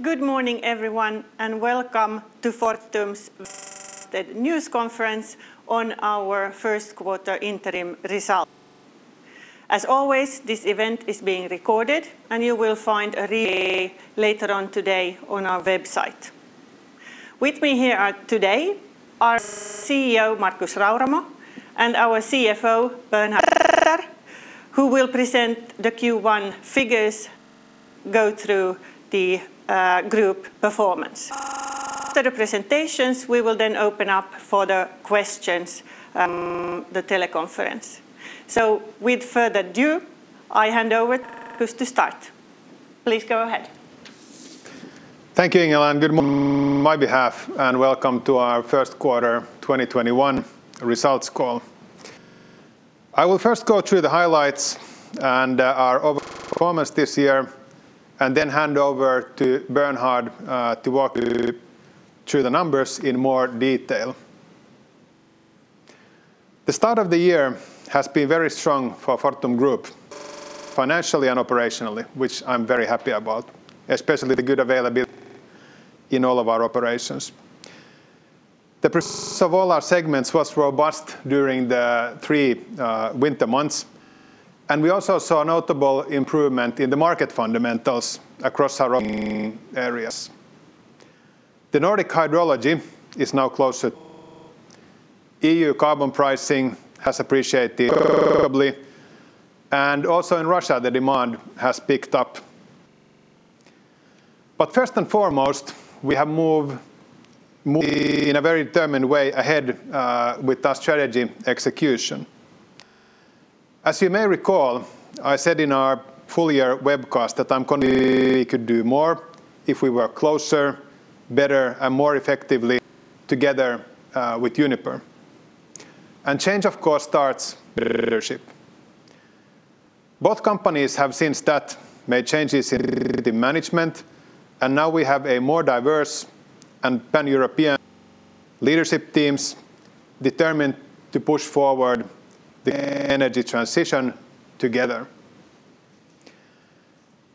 Good morning everyone, and welcome to Fortum's news conference on our first quarter interim results. As always, this event is being recorded, and you will find a replay later on today on our website. With me here today are CEO Markus Rauramo and our CFO Bernhard Günther who will present the Q1 figures, go through the group performance. After the presentations, we will then open up for the questions via the teleconference. With further ado, I hand over to start. Please go ahead. Thank you, Ingela, and good morning on my behalf and welcome to our first quarter 2021 results call. I will first go through the highlights and our overall performance this year and then hand over to Bernhard to walk you through the numbers in more detail. The start of the year has been very strong for Fortum Group financially and operationally, which I'm very happy about, especially the good availability in all of our operations. The performance of all our segments was robust during the three winter months, and we also saw a notable improvement in the market fundamentals across our operating areas. The Nordic hydrology is now closer. EU carbon pricing has appreciated and also in Russia, the demand has picked up. First and foremost, we have moved in a very determined way ahead with our strategy execution. As you may recall, I said in our full year webcast that I'm confident we could do more if we work closer, better, and more effectively together with Uniper. Change, of course, starts with leadership. Both companies have since that made changes in the management, and now we have a more diverse and Pan-European leadership teams determined to push forward the energy transition together.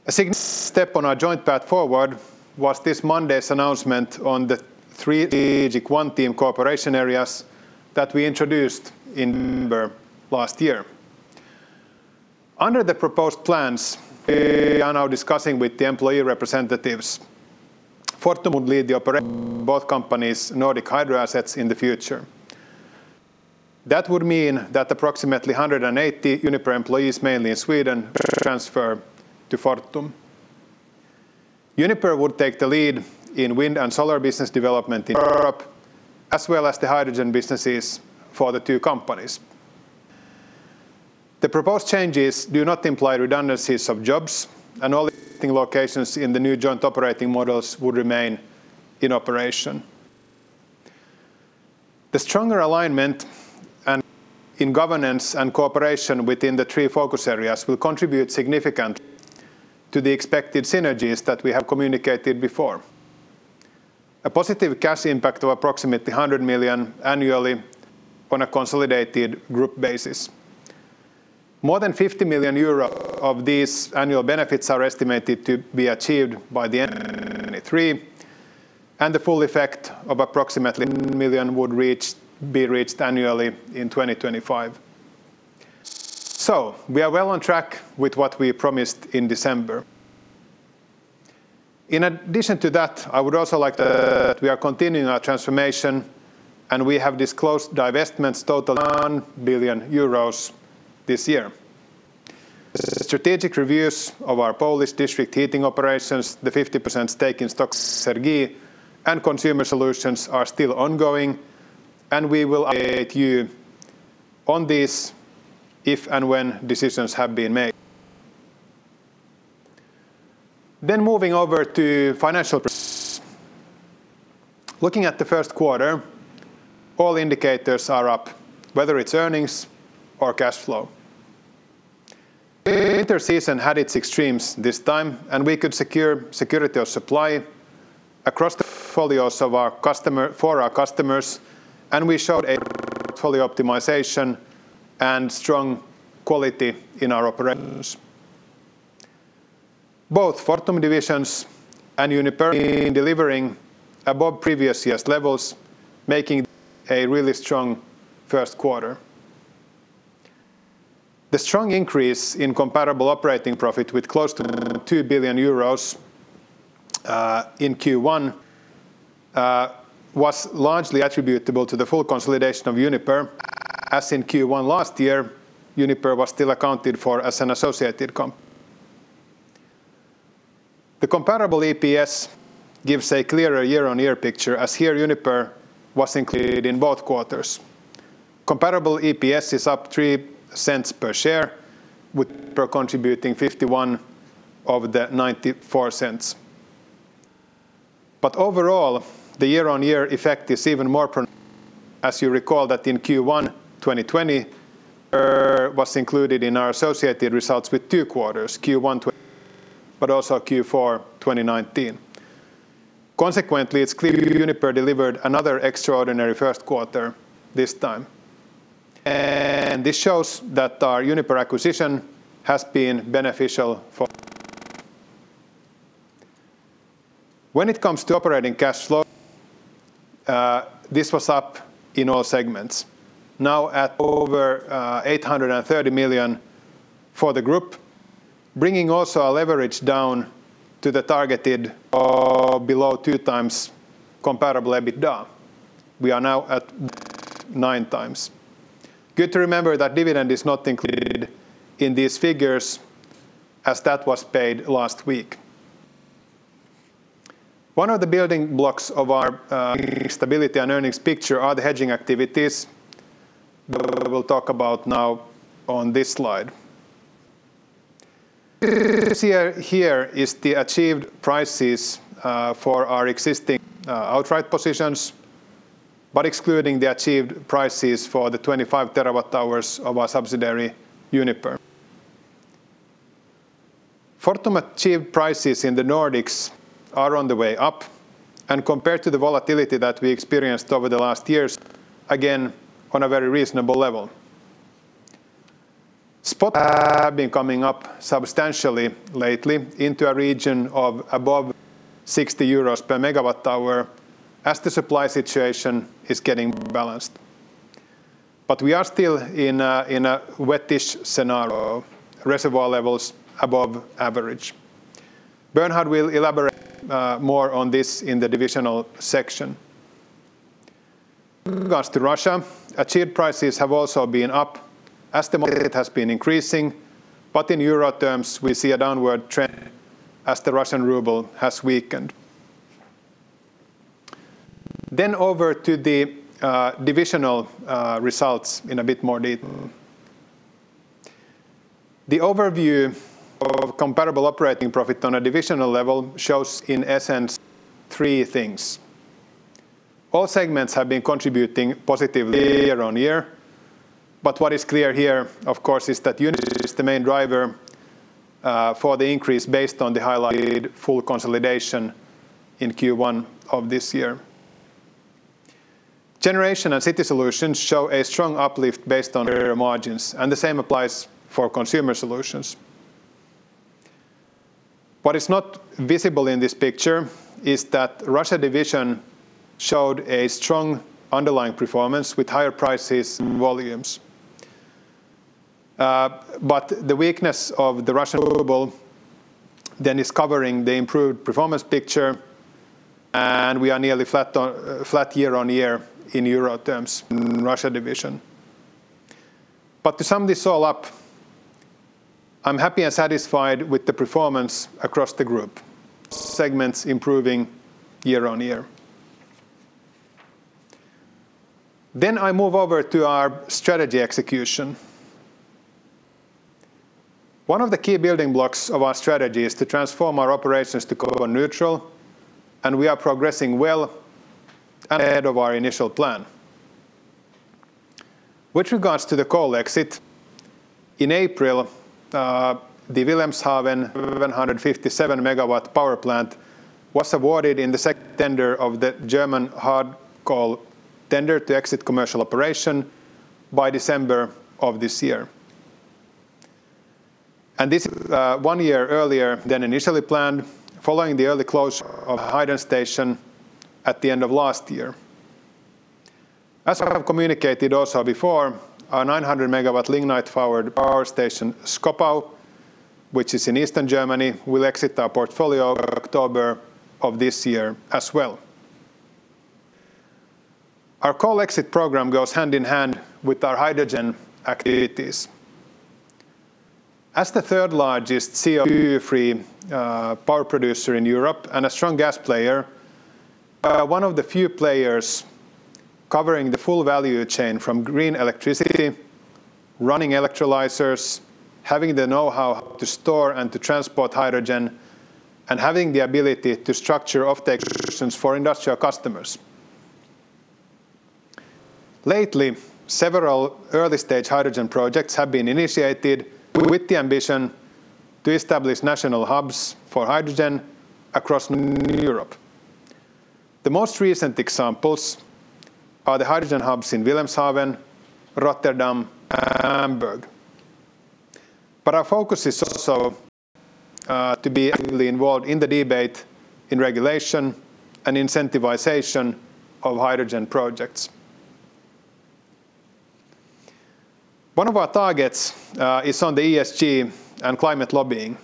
A significant step on our joint path forward was this Monday's announcement on the three strategic OneTeam cooperation areas that we introduced in November last year. Under the proposed plans we are now discussing with the employee representatives, Fortum would lead the operation of both companies Nordic hydro assets in the future. That would mean that approximately 180 Uniper employees, mainly in Sweden, would transfer to Fortum. Uniper would take the lead in wind and solar business development in Europe, as well as the hydrogen businesses for the two companies. The proposed changes do not imply redundancies of jobs, and all existing locations in the new joint operating models would remain in operation. The stronger alignment and in governance and cooperation within the three focus areas will contribute significantly to the expected synergies that we have communicated before. A positive cash impact of approximately 100 million annually on a consolidated group basis. More than 50 million euro of these annual benefits are estimated to be achieved by the end of 2023, and the full effect of approximately 1 million would be reached annually in 2025. We are well on track with what we promised in December. In addition to that, I would also like to add that we are continuing our transformation, and we have disclosed divestments totaling 1 billion euros this year. Strategic reviews of our Polish district heating operations, the 50% stake in Stockholm Exergi, and Consumer Solutions are still ongoing, and we will update you on this if and when decisions have been made. Moving over to financial performance. Looking at the first quarter, all indicators are up, whether it's earnings or cash flow. The winter season had its extremes this time, and we could secure security of supply across the portfolios for our customers, and we showed a portfolio optimization and strong quality in our operations. Both Fortum divisions and Uniper in delivering above previous year's levels, making a really strong first quarter. The strong increase in comparable operating profit with close to EUR 2 billion in Q1 was largely attributable to the full consolidation of Uniper. As in Q1 last year, Uniper was still accounted for as an associated company. The comparable EPS gives a clearer year-on-year picture, as here Uniper was included in both quarters. Comparable EPS is up 0.03 per share, with Uniper contributing 0.51 of the 0.94. Overall, the year-on-year effect is even more pronounced as you recall that in Q1 2020, Uniper was included in our associated results with two quarters, Q1 2020, but also Q4 2019. Consequently, it's clear Uniper delivered another extraordinary first quarter this time. This shows that our Uniper acquisition has been beneficial for us. When it comes to operating cash flow, this was up in all segments. Now at over 830 million for the group, bringing also our leverage down to the targeted below two times comparable EBITDA. We are now at nine times. Good to remember that dividend is not included in these figures as that was paid last week. One of the building blocks of our stability and earnings picture are the hedging activities that we'll talk about now on this slide. Here is the achieved prices for our existing outright positions, excluding the achieved prices for the 25 TWh of our subsidiary, Uniper. Fortum achieved prices in the Nordics are on the way up, compared to the volatility that we experienced over the last years, again, on a very reasonable level. Spot have been coming up substantially lately into a region of above 60 euros per MWh as the supply situation is getting more balanced. We are still in a wettish scenario, reservoir levels above average. Bernhard will elaborate more on this in the divisional section. Regards to Russia, achieved prices have also been up as demand has been increasing, but in EUR terms, we see a downward trend as the Russian ruble has weakened. Over to the divisional results in a bit more detail. The overview of comparable operating profit on a divisional level shows in essence three things. All segments have been contributing positively year on year, but what is clear here, of course, is that Uniper is the main driver for the increase based on the highlighted full consolidation in Q1 of this year. Generation and City Solutions show a strong uplift based on their margins, and the same applies for Consumer Solutions. What is not visible in this picture is that Russia division showed a strong underlying performance with higher prices and volumes. The weakness of the Russian ruble then is covering the improved performance picture, and we are nearly flat year-on-year in EUR terms in Russia division. To sum this all up, I'm happy and satisfied with the performance across the group, segments improving year-on-year. I move over to our strategy execution. One of the key building blocks of our strategy is to transform our operations to carbon neutral, and we are progressing well and ahead of our initial plan. With regards to the coal exit, in April, the Wilhelmshaven 757 MW power plant was awarded in the second tender of the German hard coal tender to exit commercial operation by December of this year. This is one year earlier than initially planned following the early closure of Heyden station at the end of last year. As I have communicated also before, our 900 MW lignite-fired power station, Schkopau, which is in Eastern Germany, will exit our portfolio October of this year as well. Our coal exit program goes hand in hand with our hydrogen activities. As the third-largest CO2-free power producer in Europe and a strong gas player, one of the few players covering the full value chain from green electricity, running electrolyzers, having the know-how to store and to transport hydrogen, and having the ability to structure off takes for industrial customers. Lately, several early-stage hydrogen projects have been initiated with the ambition to establish national hubs for hydrogen across Europe. The most recent examples are the hydrogen hubs in Wilhelmshaven, Rotterdam, and Hamburg. Our focus is also to be actively involved in the debate in regulation and incentivization of hydrogen projects. One of our targets is on the ESG and climate lobbying.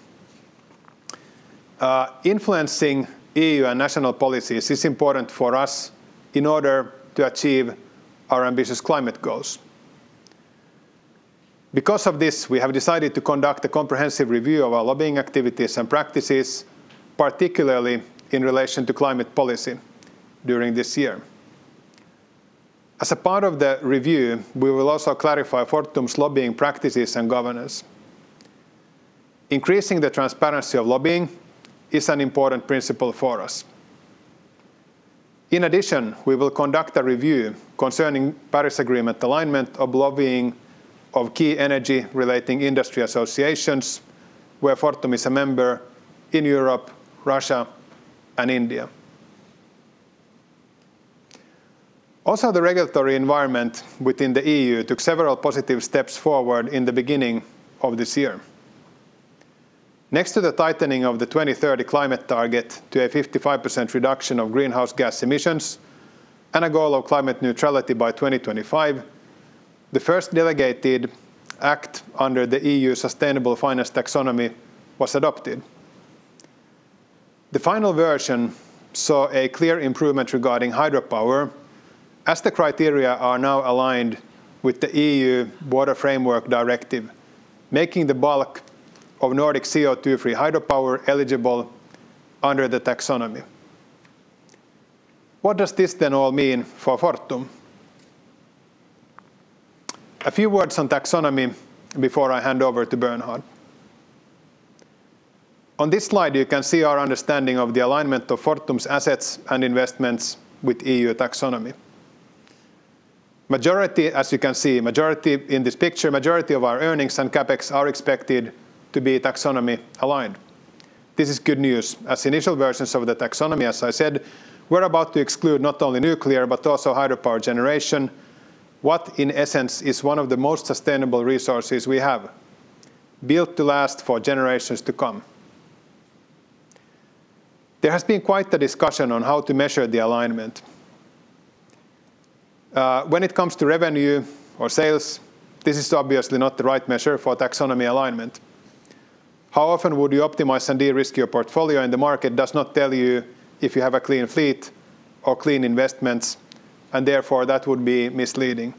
Influencing EU and national policies is important for us in order to achieve our ambitious climate goals. Because of this, we have decided to conduct a comprehensive review of our lobbying activities and practices, particularly in relation to climate policy during this year. As a part of the review, we will also clarify Fortum's lobbying practices and governance. Increasing the transparency of lobbying is an important principle for us. In addition, we will conduct a review concerning Paris Agreement alignment of lobbying of key energy relating industry associations, where Fortum is a member in Europe, Russia, and India. The regulatory environment within the EU took several positive steps forward in the beginning of this year. Next to the tightening of the 2030 climate target to a 55% reduction of greenhouse gas emissions and a goal of climate neutrality by 2025, the first delegated act under the EU Sustainable Finance Taxonomy was adopted. The final version saw a clear improvement regarding hydropower, as the criteria are now aligned with the EU Water Framework Directive, making the bulk of Nordic CO2-free hydropower eligible under the taxonomy. What does this then all mean for Fortum? A few words on taxonomy before I hand over to Bernhard. On this slide, you can see our understanding of the alignment of Fortum's assets and investments with EU taxonomy. As you can see, majority of our earnings and CapEx are expected to be taxonomy aligned. This is good news. As initial versions of the taxonomy, as I said, were about to exclude not only nuclear, but also hydropower generation. What, in essence, is one of the most sustainable resources we have, built to last for generations to come. There has been quite the discussion on how to measure the alignment. When it comes to revenue or sales, this is obviously not the right measure for taxonomy alignment. How often would you optimize and de-risk your portfolio? The market does not tell you if you have a clean fleet or clean investments, and therefore that would be misleading.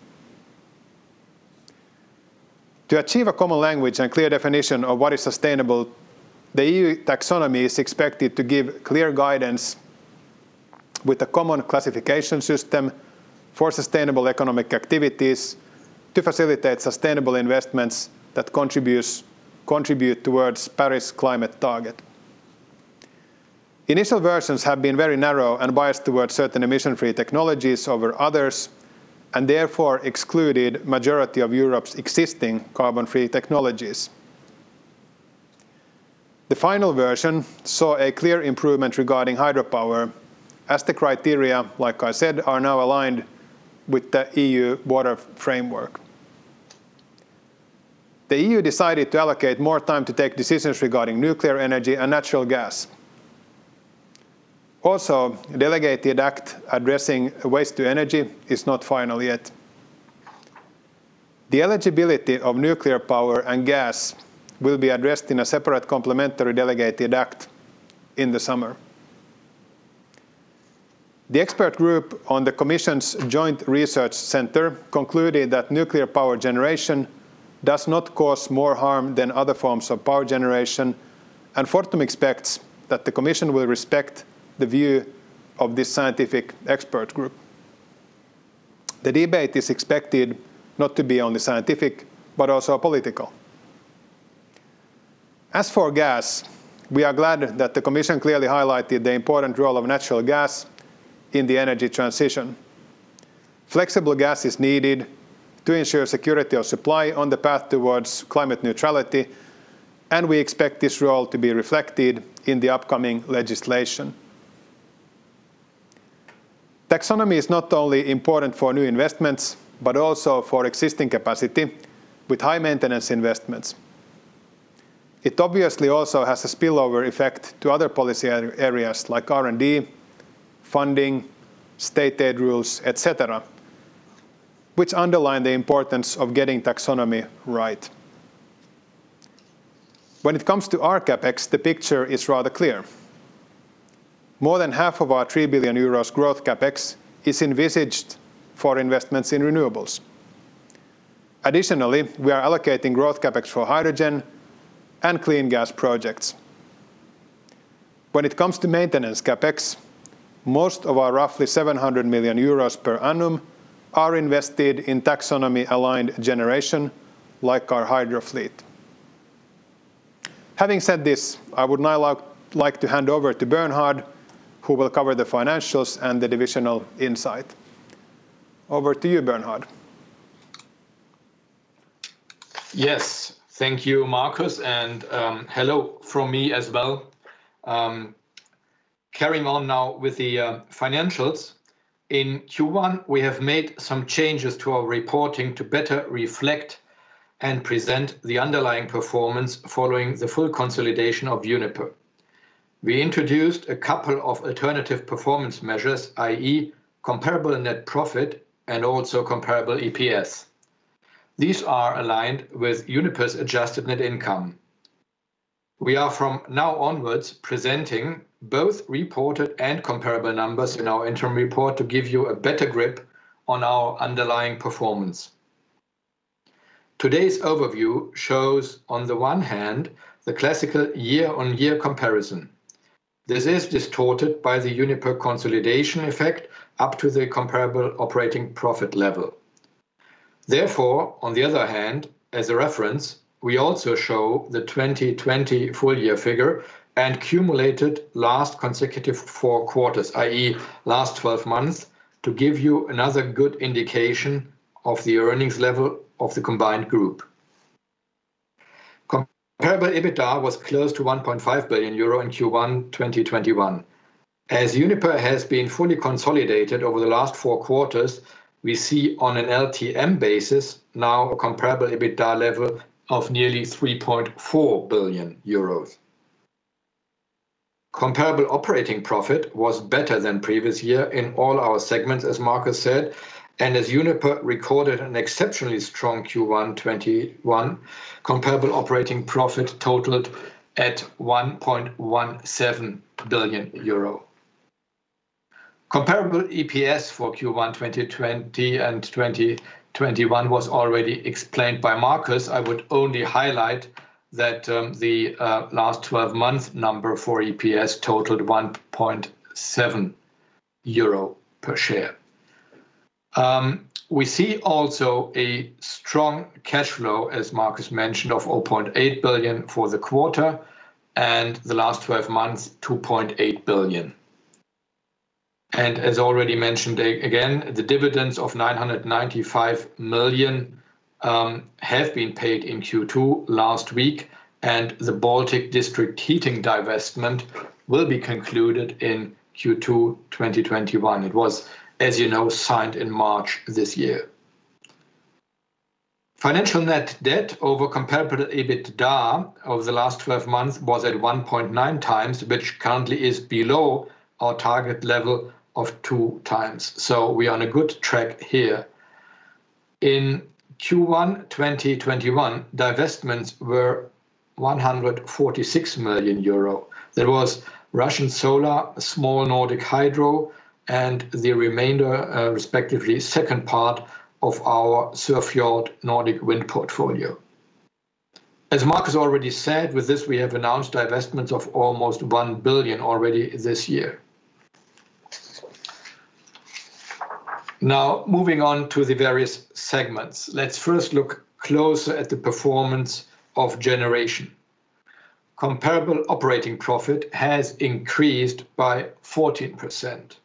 To achieve a common language and clear definition of what is sustainable, the EU taxonomy is expected to give clear guidance with a common classification system for sustainable economic activities to facilitate sustainable investments that contribute towards Paris climate target. Initial versions have been very narrow and biased towards certain emission-free technologies over others, and therefore excluded majority of Europe's existing carbon-free technologies. The final version saw a clear improvement regarding hydropower as the criteria, like I said, are now aligned with the EU Water Framework. The EU decided to allocate more time to take decisions regarding nuclear energy and natural gas. Also, delegated act addressing waste to energy is not final yet. The eligibility of nuclear power and gas will be addressed in a separate complementary delegated act in the summer. The expert group on the Commission's Joint Research Centre concluded that nuclear power generation does not cause more harm than other forms of power generation, and Fortum expects that the Commission will respect the view of this scientific expert group. The debate is expected not to be only scientific, but also political. As for gas, we are glad that the Commission clearly highlighted the important role of natural gas in the energy transition. Flexible gas is needed to ensure security of supply on the path towards climate neutrality. We expect this role to be reflected in the upcoming legislation. Taxonomy is not only important for new investments, but also for existing capacity with high-maintenance investments. It obviously also has a spillover effect to other policy areas like R&D, funding, state aid rules, et cetera, which underline the importance of getting Taxonomy right. When it comes to our CapEx, the picture is rather clear. More than half of our 3 billion euros growth CapEx is envisaged for investments in renewables. Additionally, we are allocating growth CapEx for hydrogen and clean gas projects. When it comes to maintenance CapEx, most of our roughly 700 million euros per annum are invested in taxonomy-aligned generation, like our hydro fleet. Having said this, I would now like to hand over to Bernhard, who will cover the financials and the divisional insight. Over to you, Bernhard. Yes. Thank you, Markus. Hello from me as well. Carrying on now with the financials. In Q1, we have made some changes to our reporting to better reflect and present the underlying performance following the full consolidation of Uniper. We introduced a couple of alternative performance measures, i.e., comparable net profit and also comparable EPS. These are aligned with Uniper's adjusted net income. We are from now onwards presenting both reported and comparable numbers in our interim report to give you a better grip on our underlying performance. Today's overview shows, on the one hand, the classical year-on-year comparison. This is distorted by the Uniper consolidation effect up to the comparable operating profit level. Therefore, on the other hand, as a reference, we also show the 2020 full-year figure and cumulated last consecutive four quarters, i.e., last 12 months, to give you another good indication of the earnings level of the combined group. Comparable EBITDA was close to 1.5 billion euro in Q1 2021. As Uniper has been fully consolidated over the last four quarters, we see on an LTM basis now a comparable EBITDA level of nearly 3.4 billion euros. Comparable operating profit was better than previous year in all our segments, as Markus said. As Uniper recorded an exceptionally strong Q1 2021, comparable operating profit totaled at 1.17 billion euro. Comparable EPS for Q1 2020 and 2021 was already explained by Markus. I would only highlight that the last 12-month number for EPS totaled EUR 1.7 per share. We see also a strong cash flow, as Markus mentioned, of 0.8 billion for the quarter, the last 12 months, 2.8 billion. As already mentioned again, the dividends of 995 million have been paid in Q2 last week, and the Baltic District Heating divestment will be concluded in Q2 2021. It was, as you know, signed in March this year. Financial net debt over comparable EBITDA over the last 12 months was at 1.9 times, which currently is below our target level of two times. We are on a good track here. In Q1 2021, divestments were 146 million euro. There was Russian solar, small Nordic hydro, and the remainder, respectively, second part of our Sørfjord Nordic wind portfolio. As Markus already said, with this, we have announced divestments of almost 1 billion already this year. Moving on to the various segments. Let's first look closer at the performance of generation. Comparable operating profit has increased by 14%.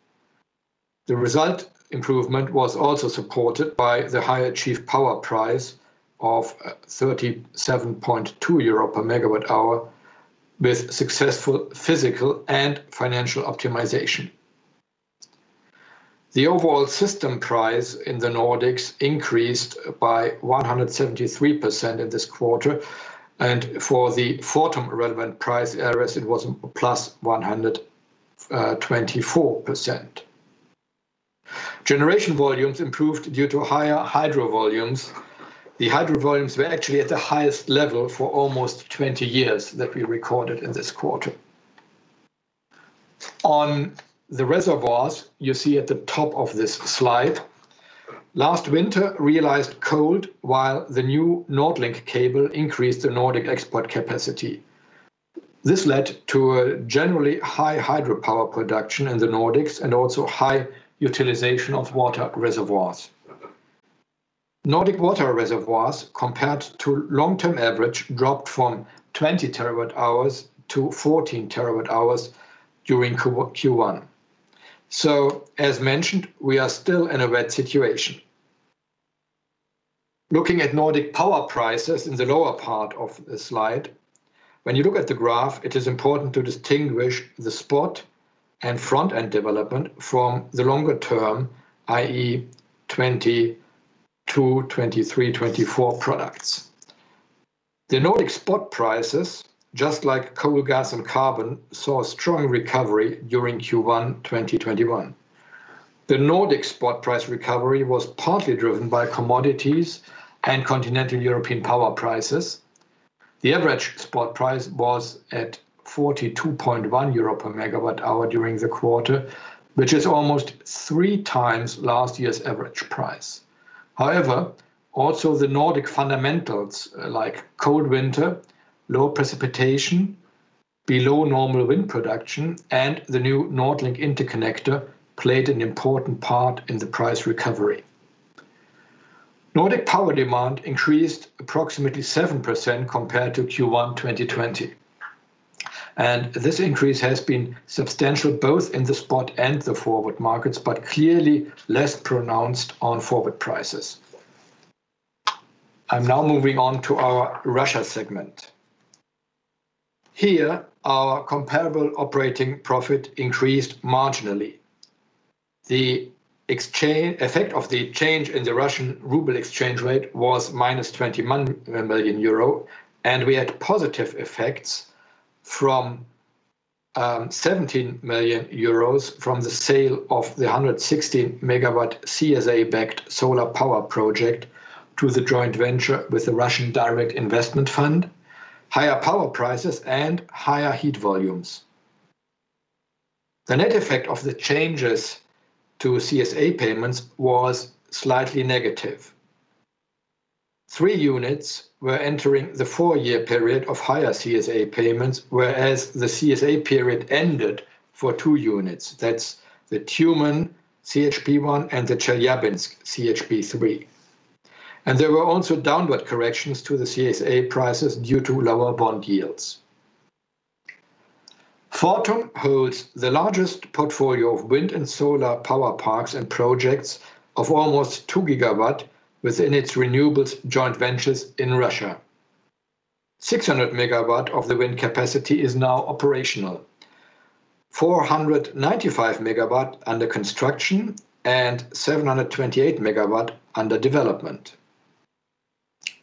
The result improvement was also supported by the higher achieved power price of 37.2 euro per MWh with successful physical and financial optimization. The overall system price in the Nordics increased by 173% in this quarter, and for the Fortum-relevant price areas, it was a plus 124%. Generation volumes improved due to higher hydro volumes. The hydro volumes were actually at the highest level for almost 20 years that we recorded in this quarter. On the reservoirs you see at the top of this slide, last winter realized cold while the new NordLink cable increased the Nordic export capacity. This led to a generally high hydropower production in the Nordics and also high utilization of water reservoirs. Nordic water reservoirs, compared to long-term average, dropped from 20 TWh to 14 TWh during Q1. As mentioned, we are still in a wet situation. Looking at Nordic power prices in the lower part of the slide. When you look at the graph, it is important to distinguish the spot and front-end development from the longer term, i.e., 2022, 2023, 2024 products. The Nordic spot prices, just like coal, gas, and carbon, saw a strong recovery during Q1 2021. The Nordic spot price recovery was partly driven by commodities and continental European power prices. The average spot price was at 42.1 euro per MWh during the quarter, which is almost three times last year's average price. Also the Nordic fundamentals like cold winter, low precipitation, below normal wind production, and the new NordLink interconnector played an important part in the price recovery. Nordic power demand increased approximately 7% compared to Q1 2020. This increase has been substantial both in the spot and the forward markets, but clearly less pronounced on forward prices. I'm now moving on to our Russia segment. Here, our comparable operating profit increased marginally. The effect of the change in the Russian ruble exchange rate was minus 21 million euro, and we had positive effects from 17 million euros from the sale of the 160 MW CSA-backed solar power project to the joint venture with the Russian Direct Investment Fund, higher power prices, and higher heat volumes. The net effect of the changes to CSA payments was slightly negative. Three units were entering the four-year period of higher CSA payments, whereas the CSA period ended for two units. That's the Tyumen CHP-1 and the Chelyabinsk CHP-3. There were also downward corrections to the CSA prices due to lower bond yields. Fortum holds the largest portfolio of wind and solar power parks and projects of almost two gigawatts within its renewables joint ventures in Russia. 600 MW of the wind capacity is now operational. 495 MW under construction and 728 MW under development.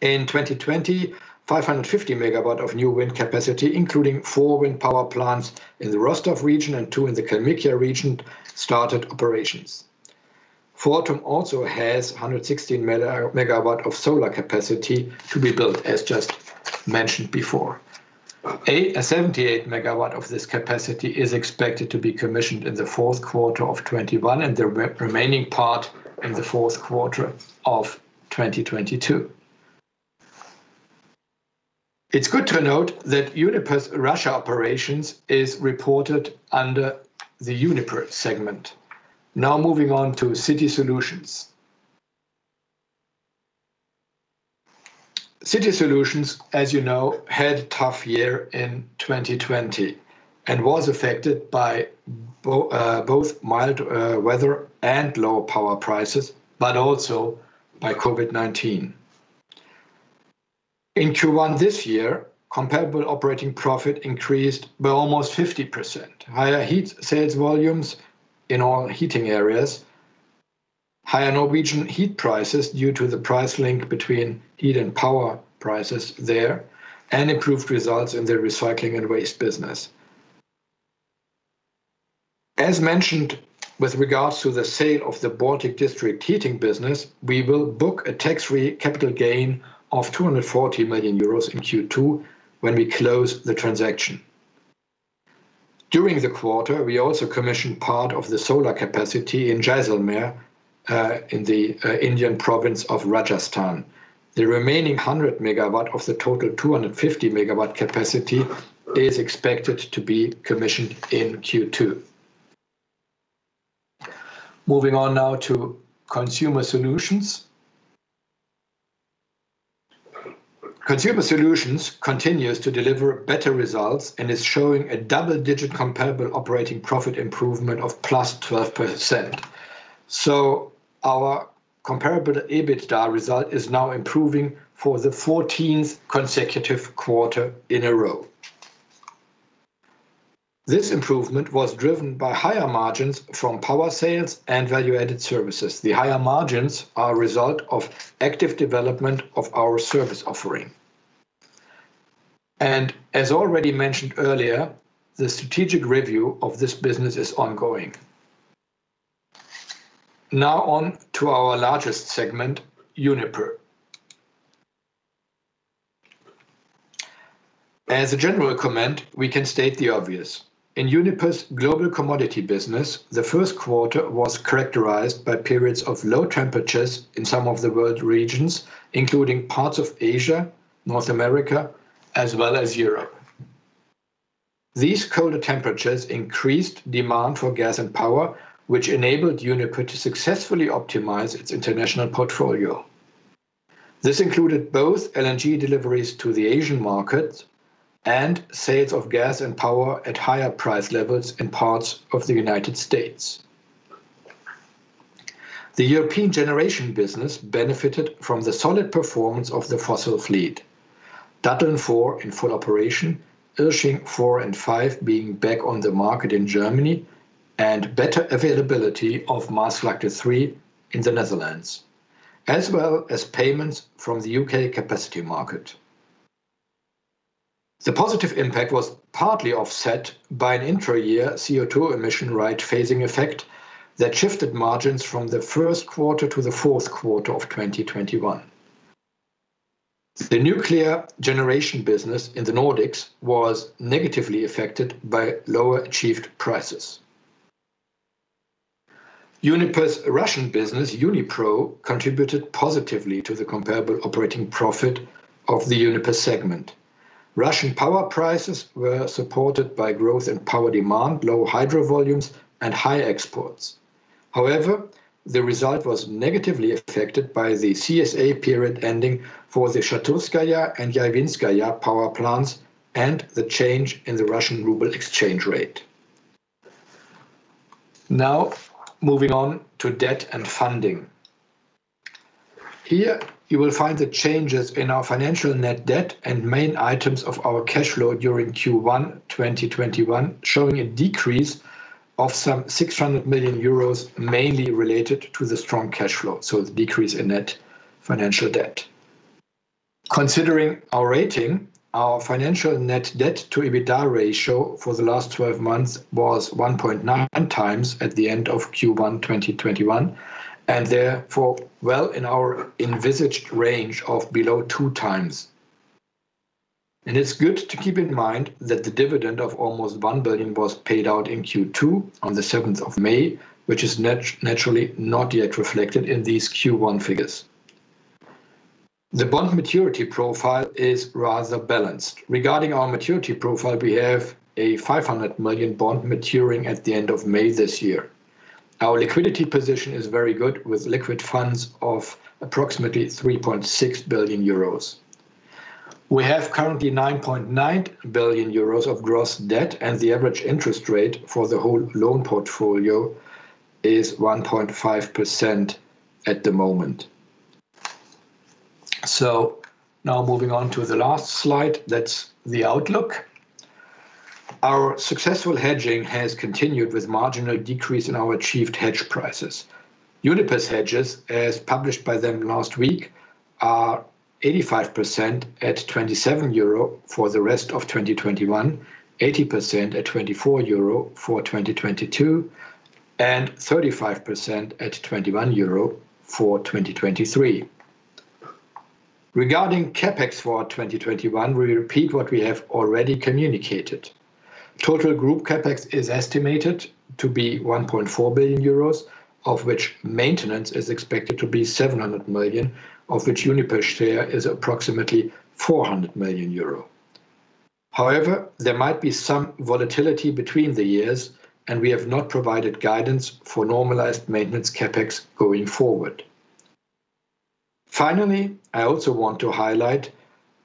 In 2020, 550 MW of new wind capacity, including four wind power plants in the Rostov region and two in the Kalmykia region, started operations. Fortum also has 116 MW of solar capacity to be built, as just mentioned before. 78 MW of this capacity is expected to be commissioned in the fourth quarter of 2021, and the remaining part in the fourth quarter of 2022. It's good to note that Uniper's Russia operations is reported under the Uniper segment. Now moving on to City Solutions. City Solutions, as you know, had a tough year in 2020 and was affected by both mild weather and low power prices, but also by COVID-19. In Q1 this year, comparable operating profit increased by almost 50%. Higher heat sales volumes in all heating areas, higher Norwegian heat prices due to the price link between heat and power prices there, and improved results in the recycling and waste business. As mentioned with regards to the sale of the Baltic district heating business, we will book a tax-free capital gain of 240 million euros in Q2 when we close the transaction. During the quarter, we also commissioned part of the solar capacity in Jaisalmer, in the Indian province of Rajasthan. The remaining 100 MW of the total 250 MW capacity is expected to be commissioned in Q2. Moving on now to Consumer Solutions. Consumer Solutions continues to deliver better results and is showing a double-digit comparable operating profit improvement of +12%. Our comparable EBITDA result is now improving for the 14th consecutive quarter in a row. This improvement was driven by higher margins from power sales and value-added services. The higher margins are a result of active development of our service offering. As already mentioned earlier, the strategic review of this business is ongoing. Now on to our largest segment, Uniper. As a general comment, we can state the obvious. In Uniper's global commodity business, the first quarter was characterized by periods of low temperatures in some of the world regions, including parts of Asia, North America, as well as Europe. These colder temperatures increased demand for gas and power, which enabled Uniper to successfully optimize its international portfolio. This included both LNG deliveries to the Asian markets and sales of gas and power at higher price levels in parts of the U.S. The European generation business benefited from the solid performance of the fossil fleet. Datteln 4 in full operation, Irsching 4 and 5 being back on the market in Germany, and better availability of Maasvlakte 3 in the Netherlands, as well as payments from the U.K. capacity market. The positive impact was partly offset by an intra-year CO2 emission right-phasing effect that shifted margins from the first quarter to the fourth quarter of 2021. The nuclear generation business in the Nordics was negatively affected by lower achieved prices. Uniper's Russian business, Unipro, contributed positively to the comparable operating profit of the Uniper segment. Russian power prices were supported by growth in power demand, low hydro volumes, and high exports. However, the result was negatively affected by the CSA period ending for the Chelyabinskaya and Yayvinskaya power plants and the change in the Russian ruble exchange rate. Moving on to debt and funding. Here, you will find the changes in our financial net debt and main items of our cash flow during Q1 2021, showing a decrease of some 600 million euros, mainly related to the strong cash flow. The decrease in net financial debt. Considering our rating, our financial net debt to EBITDA ratio for the last 12 months was 1.9 times at the end of Q1 2021, and therefore well in our envisaged range of below two times. It's good to keep in mind that the dividend of almost 1 billion was paid out in Q2 on the 7th of May, which is naturally not yet reflected in these Q1 figures. The bond maturity profile is rather balanced. Regarding our maturity profile, we have a 500 million bond maturing at the end of May this year. Our liquidity position is very good, with liquid funds of approximately 3.6 billion euros. We have currently 9.9 billion euros of gross debt, and the average interest rate for the whole loan portfolio is 1.5% at the moment. Now moving on to the last slide, that's the outlook. Our successful hedging has continued with marginal decrease in our achieved hedge prices. Uniper's hedges, as published by them last week, are 85% at 27 euro for the rest of 2021, 80% at 24 euro for 2022, and 35% at 21 euro for 2023. Regarding CapEx for 2021, we repeat what we have already communicated. Total group CapEx is estimated to be 1.4 billion euros, of which maintenance is expected to be 700 million, of which Uniper's share is approximately 400 million euro. However, there might be some volatility between the years, and we have not provided guidance for normalized maintenance CapEx going forward. Finally, I also want to highlight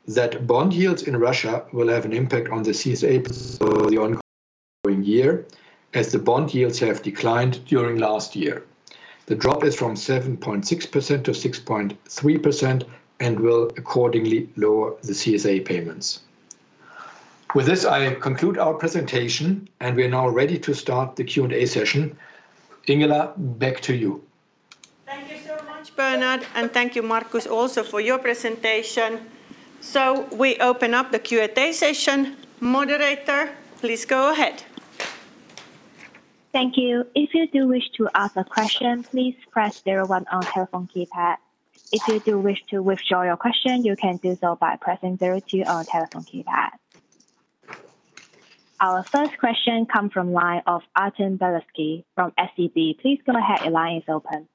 that bond yields in Russia will have an impact on the CSA over the ongoing year, as the bond yields have declined during last year. The drop is from 7.6% to 6.3% and will accordingly lower the CSA payments. With this, I conclude our presentation and we are now ready to start the Q&A session. Ingela, back to you. Thank you so much, Bernhard, and thank you, Markus, also for your presentation. We open up the Q&A session. Moderator, please go ahead. Thank you. Our first question come from line of Artem Beletski from SEB. Please go ahead. Your line is open.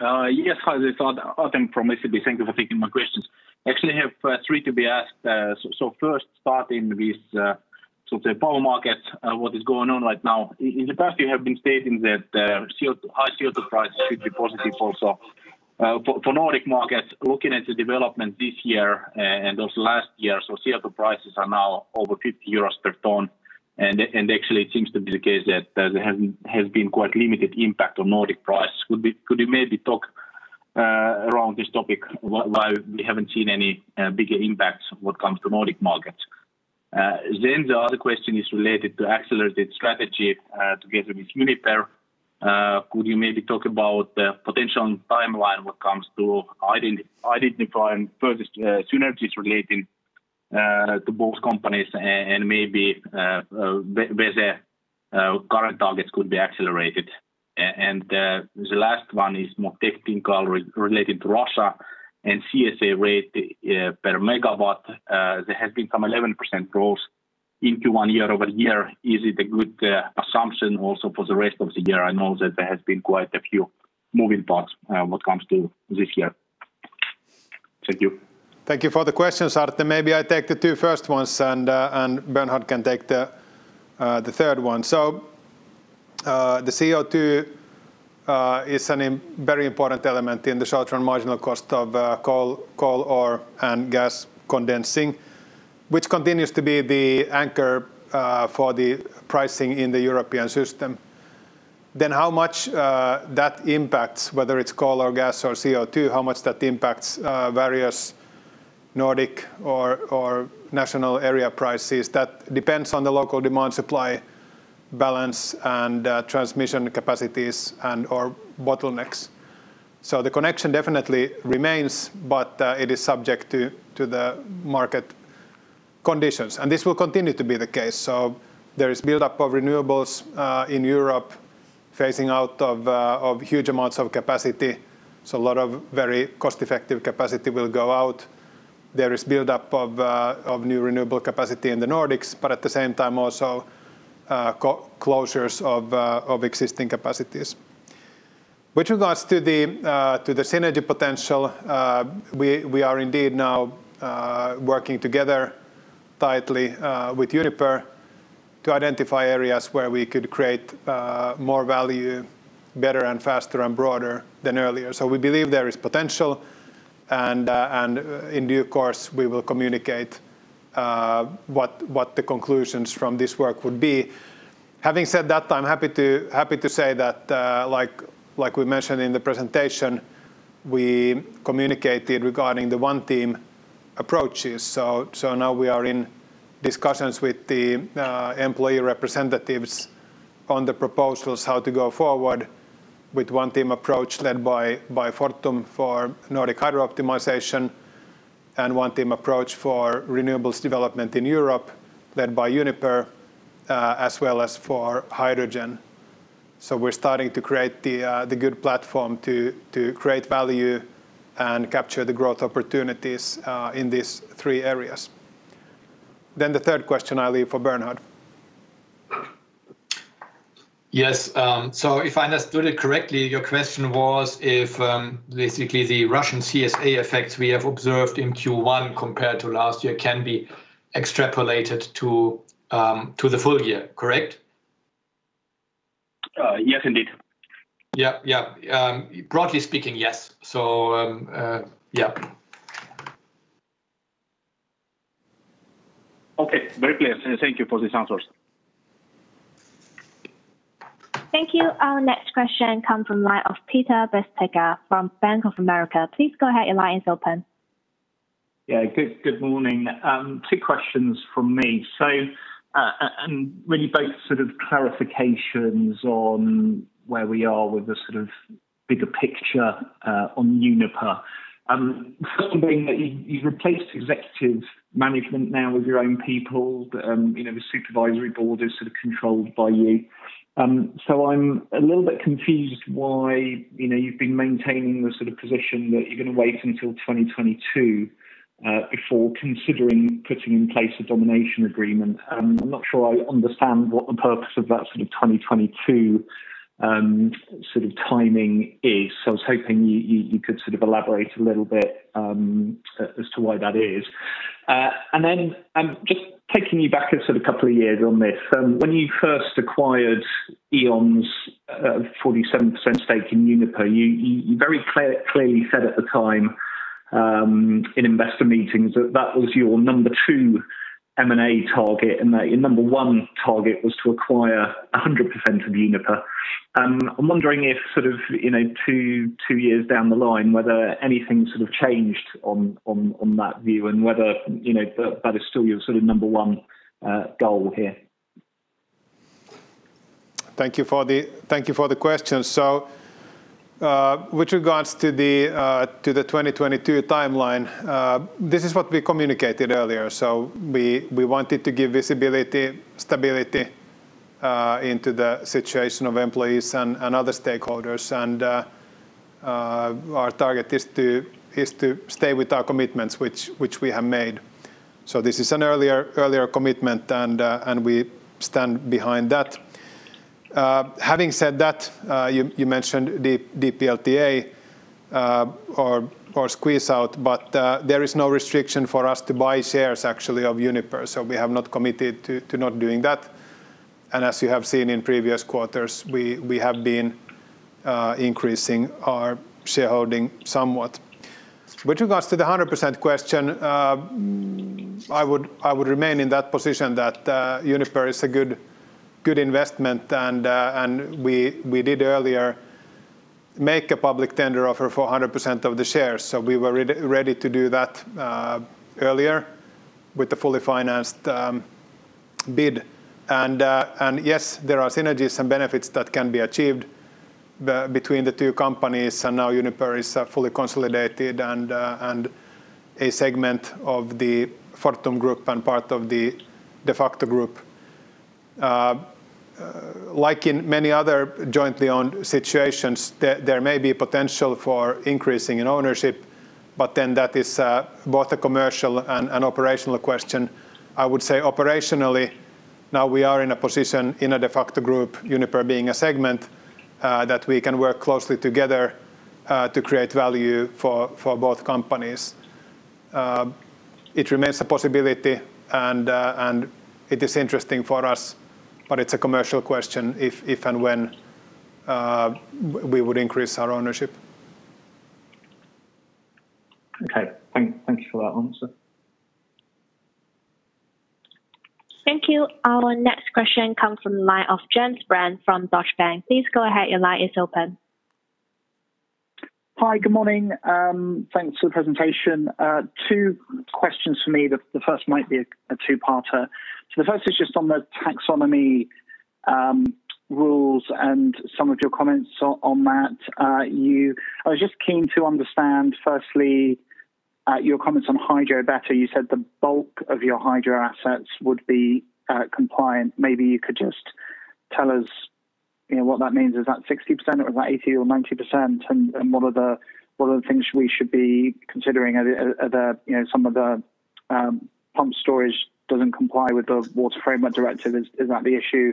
Yes, hi. This is Artem from SEB. Thank you for taking my questions. I actually have three to be asked. First, starting with the power markets, what is going on right now? In the past, you have been stating that high CO2 price should be positive also. For Nordic markets, looking at the development this year and also last year, CO2 prices are now over 50 euros per tonne, actually it seems to be the case that there has been quite limited impact on Nordic prices. Could you maybe talk around this topic why we haven't seen any bigger impacts when it comes to Nordic markets? The other question is related to accelerated strategy together with Uniper. Could you maybe talk about the potential timeline when it comes to identifying further synergies relating to both companies and maybe whether current targets could be accelerated? The last one is more technical, related to Russia and CSA rate per megawatt. There has been some 11% growth into one year-over-year. Is it a good assumption also for the rest of the year? I know that there has been quite a few moving parts when it comes to this year. Thank you. Thank you for the questions, Artem. Maybe I take the two first ones and Bernhard can take the third one. The CO2 is a very important element in the short-term marginal cost of coal or/and gas condensing, which continues to be the anchor for the pricing in the European system. How much that impacts, whether it's coal or gas or CO2, how much that impacts various Nordic or national area prices, that depends on the local demand-supply balance and transmission capacities and/or bottlenecks. The connection definitely remains, but it is subject to the market conditions, and this will continue to be the case. There is buildup of renewables in Europe, phasing out of huge amounts of capacity. A lot of very cost-effective capacity will go out. There is buildup of new renewable capacity in the Nordics, at the same time also closures of existing capacities. With regards to the synergy potential, we are indeed now working together tightly with Uniper to identify areas where we could create more value better and faster and broader than earlier. We believe there is potential and, in due course, we will communicate what the conclusions from this work would be. Having said that, I'm happy to say that, like we mentioned in the presentation, we communicated regarding the One Team approaches. Now we are in discussions with the employee representatives on the proposals, how to go forward with One Team approach led by Fortum for Nordic hydro optimization and One Team approach for renewables development in Europe led by Uniper, as well as for hydrogen. We're starting to create the good platform to create value and capture the growth opportunities in these three areas. The third question I leave for Bernhard. Yes. If I understood it correctly, your question was if basically the Russian CSA effects we have observed in Q1 compared to last year can be extrapolated to the full year, correct? Yes, indeed. Yeah. Broadly speaking, yes. Yeah. Okay. Very clear. Thank you for these answers. Thank you. Our next question comes from the line of Peter Bjerke from Bank of America. Please go ahead. Your line is open. Yeah. Good morning. Two questions from me. Really both clarifications on where we are with the bigger picture on Uniper. First one being that you've replaced executive management now with your own people, but the supervisory board is controlled by you. I'm a little bit confused why you've been maintaining the position that you're going to wait until 2022, before considering putting in place a domination agreement. I'm not sure I understand what the purpose of that 2022 timing is. I was hoping you could elaborate a little bit as to why that is. Just taking you back a couple of years on this. When you first acquired E.ON's 47% stake in Uniper, you very clearly said at the time, in investor meetings, that that was your number two M&A target and that your number one target was to acquire 100% of Uniper. I'm wondering if two years down the line, whether anything changed on that view and whether that is still your number one goal here. Thank you for the question. With regards to the 2022 timeline, this is what we communicated earlier. We wanted to give visibility, stability into the situation of employees and other stakeholders and our target is to stay with our commitments which we have made. This is an earlier commitment and we stand behind that. Having said that, you mentioned the DPLTA or squeeze out, there is no restriction for us to buy shares actually of Uniper. We have not committed to not doing that. As you have seen in previous quarters, we have been increasing our shareholding somewhat. With regards to the 100% question, I would remain in that position that Uniper is a good investment and we did earlier make a public tender offer for 100% of the shares. We were ready to do that earlier with the fully financed bid. Yes, there are synergies and benefits that can be achieved between the two companies and now Uniper is fully consolidated and a segment of the Fortum group and part of the de facto group. Like in many other jointly owned situations, there may be potential for increasing in ownership, that is both a commercial and an operational question. I would say operationally, now we are in a position in a de facto group, Uniper being a segment, that we can work closely together to create value for both companies. It remains a possibility and it is interesting for us, it's a commercial question if and when we would increase our ownership. Okay. Thank you for that answer. Thank you. Our next question comes from the line of James Brand from Deutsche Bank. Please go ahead. Your line is open. Hi. Good morning. Thanks for the presentation. Two questions from me. The first might be a two-parter. The first is just on the taxonomy rules and some of your comments on that. I was just keen to understand, firstly, your comments on hydro better. You said the bulk of your hydro assets would be compliant. Maybe you could just tell us what that means. Is that 60% or is that 80% or 90%? What are the things we should be considering? Some of the pump storage doesn't comply with the EU Water Framework Directive. Is that the issue?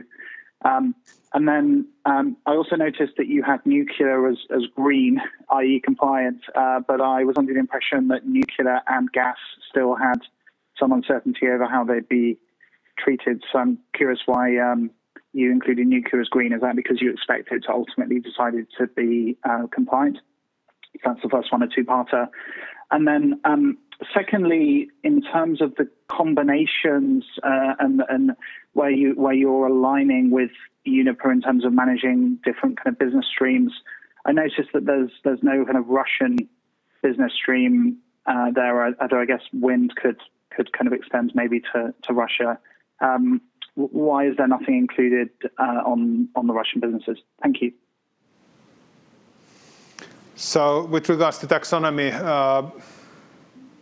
I also noticed that you had nuclear as green, i.e. compliant. I was under the impression that nuclear and gas still had some uncertainty over how they'd be treated. I'm curious why you included nuclear as green. Is that because you expect it to ultimately decided to be compliant? That's the first one, a two-parter. Secondly, in terms of the combinations, and where you're aligning with Uniper in terms of managing different kind of business streams. I noticed that there's no kind of Russian business stream there. Although I guess wind could kind of extend maybe to Russia. Why is there nothing included on the Russian businesses? Thank you. With regards to taxonomy,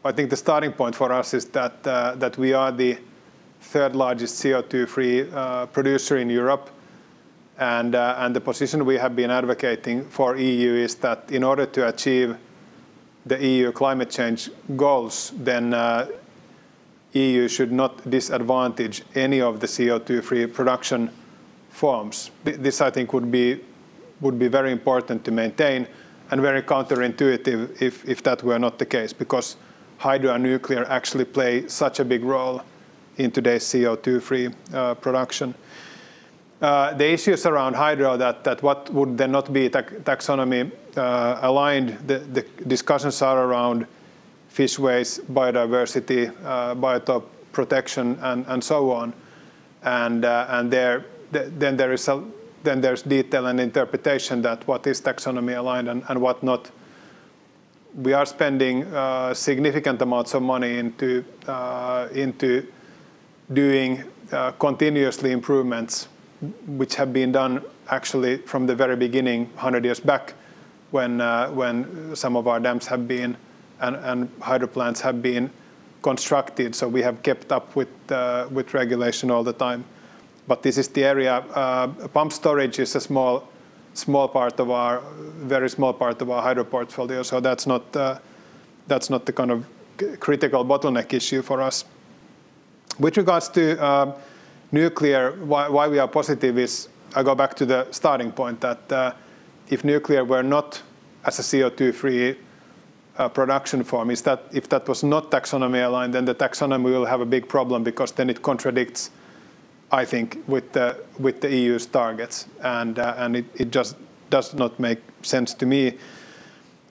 I think the starting point for us is that we are the third largest CO2-free producer in Europe. The position we have been advocating for EU is that in order to achieve the EU climate change goals, then EU should not disadvantage any of the CO2-free production forms. This, I think, would be very important to maintain and very counterintuitive if that were not the case, because hydro and nuclear actually play such a big role in today's CO2-free production. The issues around hydro that what would then not be taxonomy-aligned, the discussions are around fishways, biodiversity, biotope protection, and so on. There's detail and interpretation that what is taxonomy-aligned and what not. We are spending significant amounts of money into doing continuously improvements, which have been done actually from the very beginning, 100 years back, when some of our dams have been and hydro plants have been constructed. We have kept up with regulation all the time. This is the area. Pump storage is a very small part of our hydro portfolio. That's not the kind of critical bottleneck issue for us. With regards to nuclear, why we are positive is, I go back to the starting point that if nuclear were not as a CO2-free production form, if that was not taxonomy-aligned, then the taxonomy will have a big problem because then it contradicts, I think, with the EU's targets. It just does not make sense to me.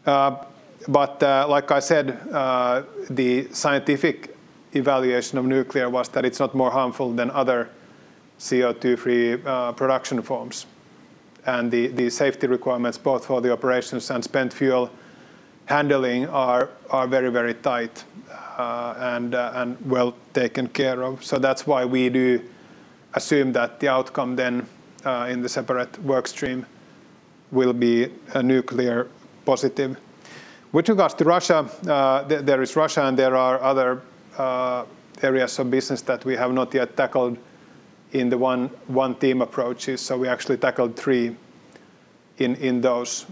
Like I said, the scientific evaluation of nuclear was that it's not more harmful than other CO2-free production forms. The safety requirements both for the operations and spent fuel handling are very tight and well taken care of. That's why we do assume that the outcome then in the separate work stream will be a nuclear positive. With regards to Russia, there is Russia and there are other areas of business that we have not yet tackled in the One Team approaches. We actually tackled three in those,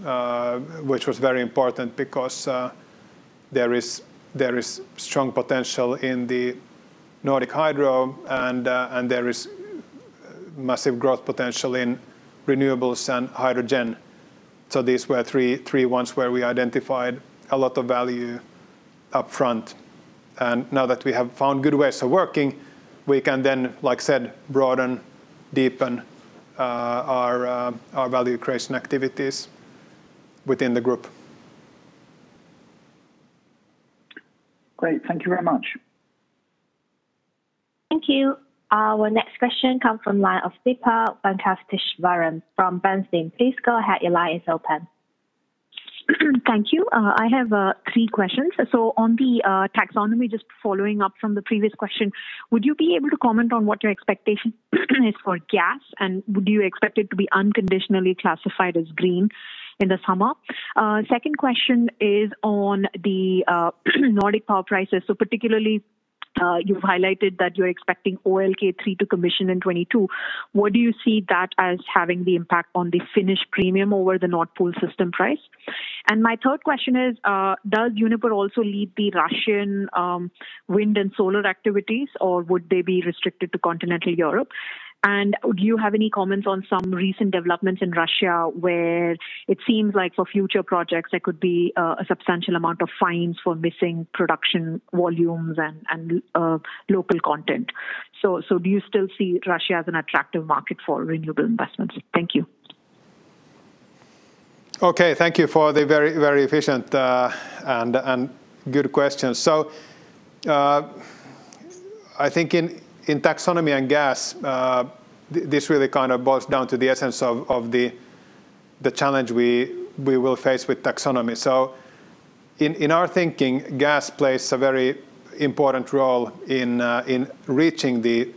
which was very important because there is strong potential in the Nordic hydro and there is massive growth potential in renewables and hydrogen. These were three ones where we identified a lot of value upfront. Now that we have found good ways of working, we can then, like I said, broaden, deepen our value creation activities within the group. Great. Thank you very much. Thank you. Our next question comes from line of Deepa Venkateswaran from Bernstein. Please go ahead. Your line is open. Thank you. I have three questions. On the Taxonomy, just following up from the previous question, would you be able to comment on what your expectation is for gas, and would you expect it to be unconditionally classified as green in the summer? Second question is on the Nordic power prices. Particularly, you've highlighted that you're expecting Olkiluoto 3 to commission in 2022. Where do you see that as having the impact on the Finnish premium over the Nord Pool system price? My third question is, does Uniper also lead the Russian wind and solar activities, or would they be restricted to continental Europe? Do you have any comments on some recent developments in Russia where it seems like for future projects, there could be a substantial amount of fines for missing production volumes and local content. Do you still see Russia as an attractive market for renewable investments? Thank you. Okay. Thank you for the very efficient and good questions. I think in Taxonomy and gas, this really boils down to the essence of the challenge we will face with Taxonomy. In our thinking, gas plays a very important role in reaching the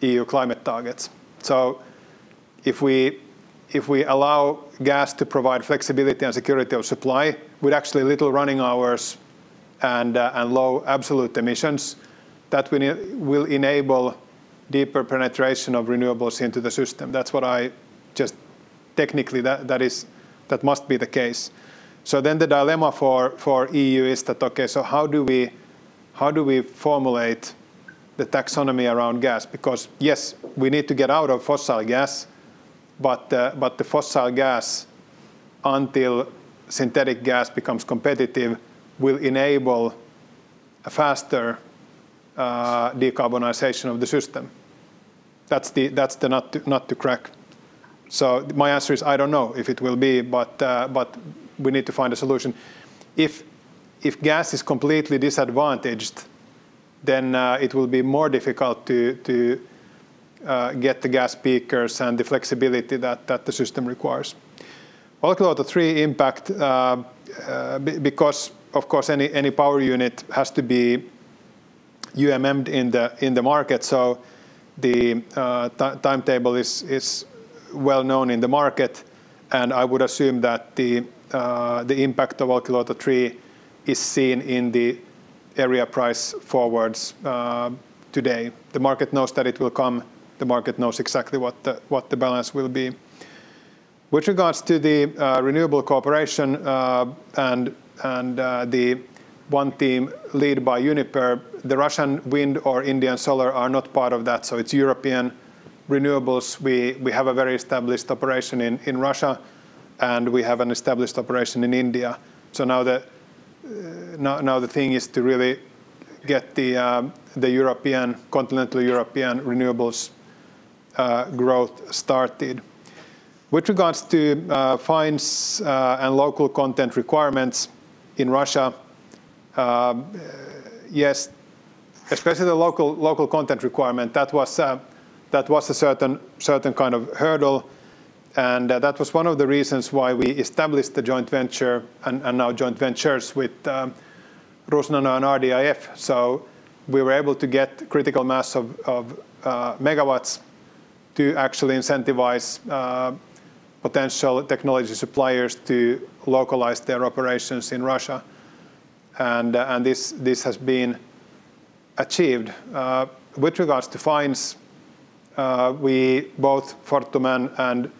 EU climate targets. If we allow gas to provide flexibility and security of supply with actually little running hours and low absolute emissions, that will enable deeper penetration of renewables into the system. Technically, that must be the case. The dilemma for EU is that, okay, how do we formulate the Taxonomy around gas? Yes, we need to get out of fossil gas, but the fossil gas, until synthetic gas becomes competitive, will enable a faster decarbonization of the system. That's the nut to crack. My answer is, I don't know if it will be, but we need to find a solution. If gas is completely disadvantaged, then it will be more difficult to get the gas peakers and the flexibility that the system requires. Olkiluoto 3 impact, because of course any power unit has to be in the market. The timetable is well known in the market, and I would assume that the impact of Olkiluoto 3 is seen in the area price forwards today. The market knows that it will come. The market knows exactly what the balance will be. With regards to the renewable cooperation, and the One Team led by Uniper, the Russian wind or Indian solar are not part of that, so it's European renewables. We have a very established operation in Russia, and we have an established operation in India. Now the thing is to really get the continental European renewables growth started. With regards to fines and local content requirements in Russia, yes, especially the local content requirement, that was a certain kind of hurdle, and that was one of the reasons why we established the joint venture and now joint ventures with Rusnano and RDIF. We were able to get critical mass of megawatts to actually incentivize potential technology suppliers to localize their operations in Russia. This has been achieved. With regards to fines, we both Fortum and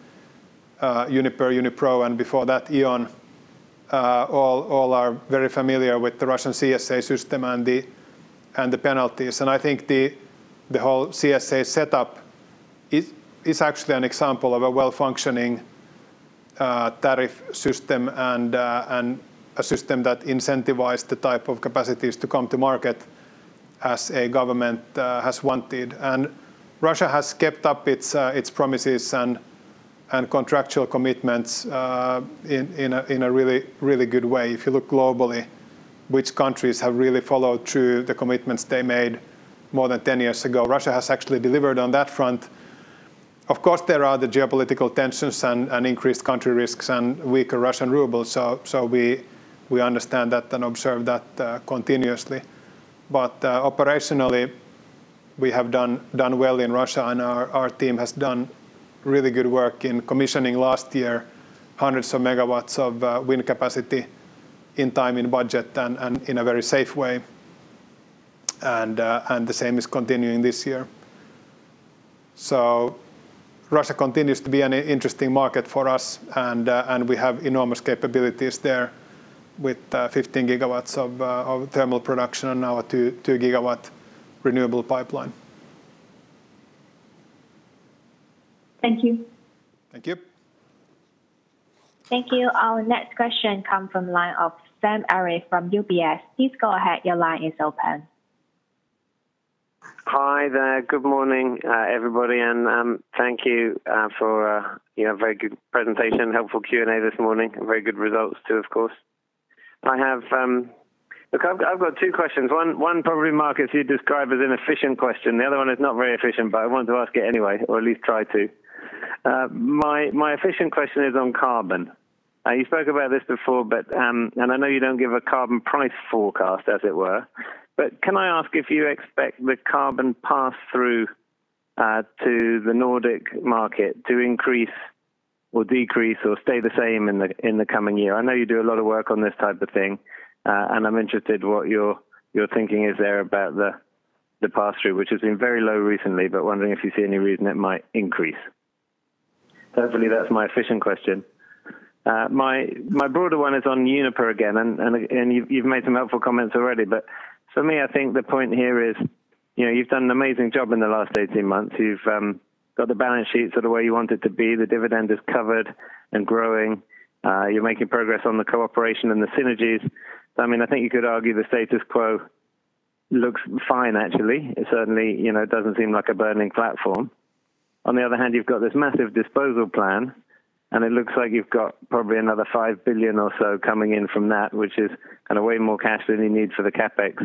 Uniper, Unipro, and before that, E.ON, all are very familiar with the Russian CSA system and the penalties. I think the whole CSA setup is actually an example of a well-functioning tariff system and a system that incentivized the type of capacities to come to market as a government has wanted. Russia has kept up its promises and contractual commitments in a really good way. If you look globally, which countries have really followed through the commitments they made more than 10 years ago, Russia has actually delivered on that front. Of course, there are the geopolitical tensions and increased country risks and weaker Russian ruble. We understand that and observe that continuously. Operationally, we have done well in Russia, and our team has done really good work in commissioning last year, hundreds of megawatts of wind capacity in time, in budget, and in a very safe way. The same is continuing this year. Russia continues to be an interesting market for us, and we have enormous capabilities there with 15 GW of thermal production and now a two gigawatt renewable pipeline. Thank you. Thank you. Thank you. Our next question comes from line of Sam Arie from UBS. Please go ahead. Hi there. Good morning, everybody, and thank you for your very good presentation. Helpful Q&A this morning. Very good results, too, of course. I've got two questions. One probably Markus you'd describe as an efficient question. The other one is not very efficient, but I wanted to ask it anyway, or at least try to. My efficient question is on carbon. You spoke about this before, and I know you don't give a carbon price forecast, as it were, but can I ask if you expect the carbon pass-through to the Nordic market to increase or decrease or stay the same in the coming year? I know you do a lot of work on this type of thing, and I'm interested what your thinking is there about the pass-through, which has been very low recently, but wondering if you see any reason it might increase. Hopefully, that's my efficient question. My broader one is on Uniper again, and you've made some helpful comments already, but for me, I think the point here is you've done an amazing job in the last 18 months. You've got the balance sheet sort of where you want it to be. The dividend is covered and growing. You're making progress on the cooperation and the synergies. I think you could argue the status quo looks fine, actually. It certainly doesn't seem like a burning platform. On the other hand, you've got this massive disposal plan, and it looks like you've got probably another 5 billion or so coming in from that, which is way more cash than you need for the CapEx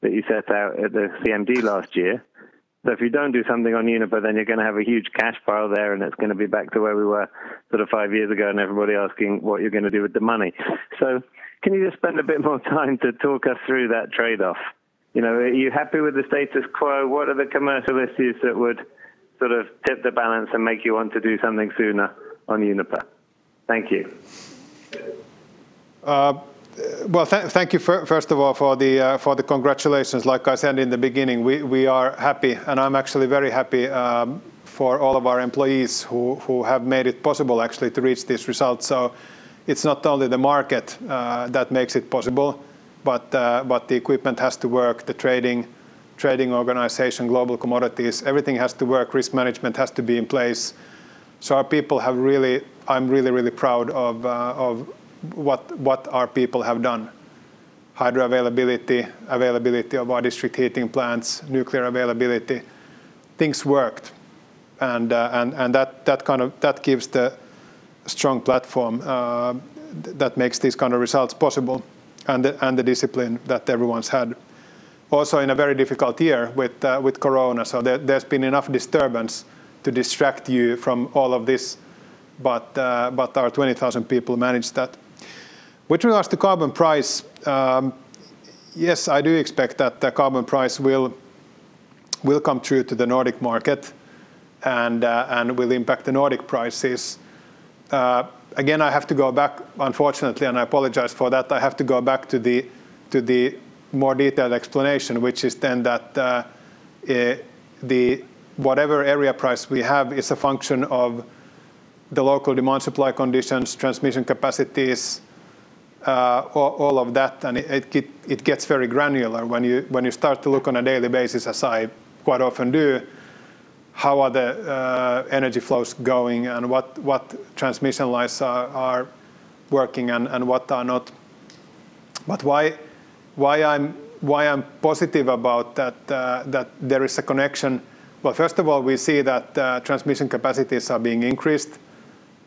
that you set out at the CMD last year. If you don't do something on Uniper, then you're going to have a huge cash pile there, and it's going to be back to where we were five years ago, and everybody asking what you're going to do with the money. Can you just spend a bit more time to talk us through that trade-off? Are you happy with the status quo? What are the commercial issues that would sort of tip the balance and make you want to do something sooner on Uniper? Thank you. Well, thank you, first of all, for the congratulations. Like I said in the beginning, we are happy, and I'm actually very happy for all of our employees who have made it possible actually to reach this result. It's not only the market that makes it possible, but the equipment has to work, the trading organization, global commodities, everything has to work. Risk management has to be in place. I'm really proud of what our people have done. Hydro availability of our district heating plants, nuclear availability, things worked, and that gives the strong platform that makes these kind of results possible, and the discipline that everyone's had. Also in a very difficult year with Corona. There's been enough disturbance to distract you from all of this. Our 20,000 people managed that. With regards to carbon price, yes, I do expect that the carbon price will come through to the Nordic market and will impact the Nordic prices. I have to go back, unfortunately, and I apologize for that. I have to go back to the more detailed explanation, which is then that whatever area price we have is a function of the local demand, supply conditions, transmission capacities, all of that. It gets very granular when you start to look on a daily basis, as I quite often do, how are the energy flows going and what transmission lines are working and what are not. Why I'm positive about that there is a connection. Well, first of all, we see that transmission capacities are being increased.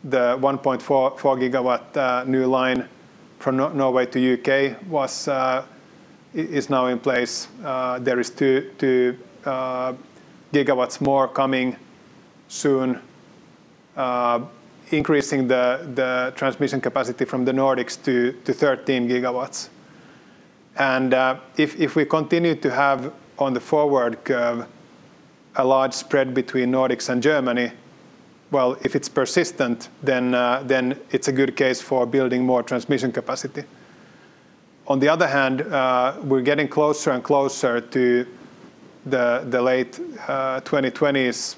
The 1.4 GW new line from Norway to U.K. is now in place. There is two gigawatts more coming soon, increasing the transmission capacity from the Nordics to 13 GW. If we continue to have, on the forward curve, a large spread between Nordics and Germany, well, if it's persistent, then it's a good case for building more transmission capacity. On the other hand, we're getting closer and closer to the late 2020s,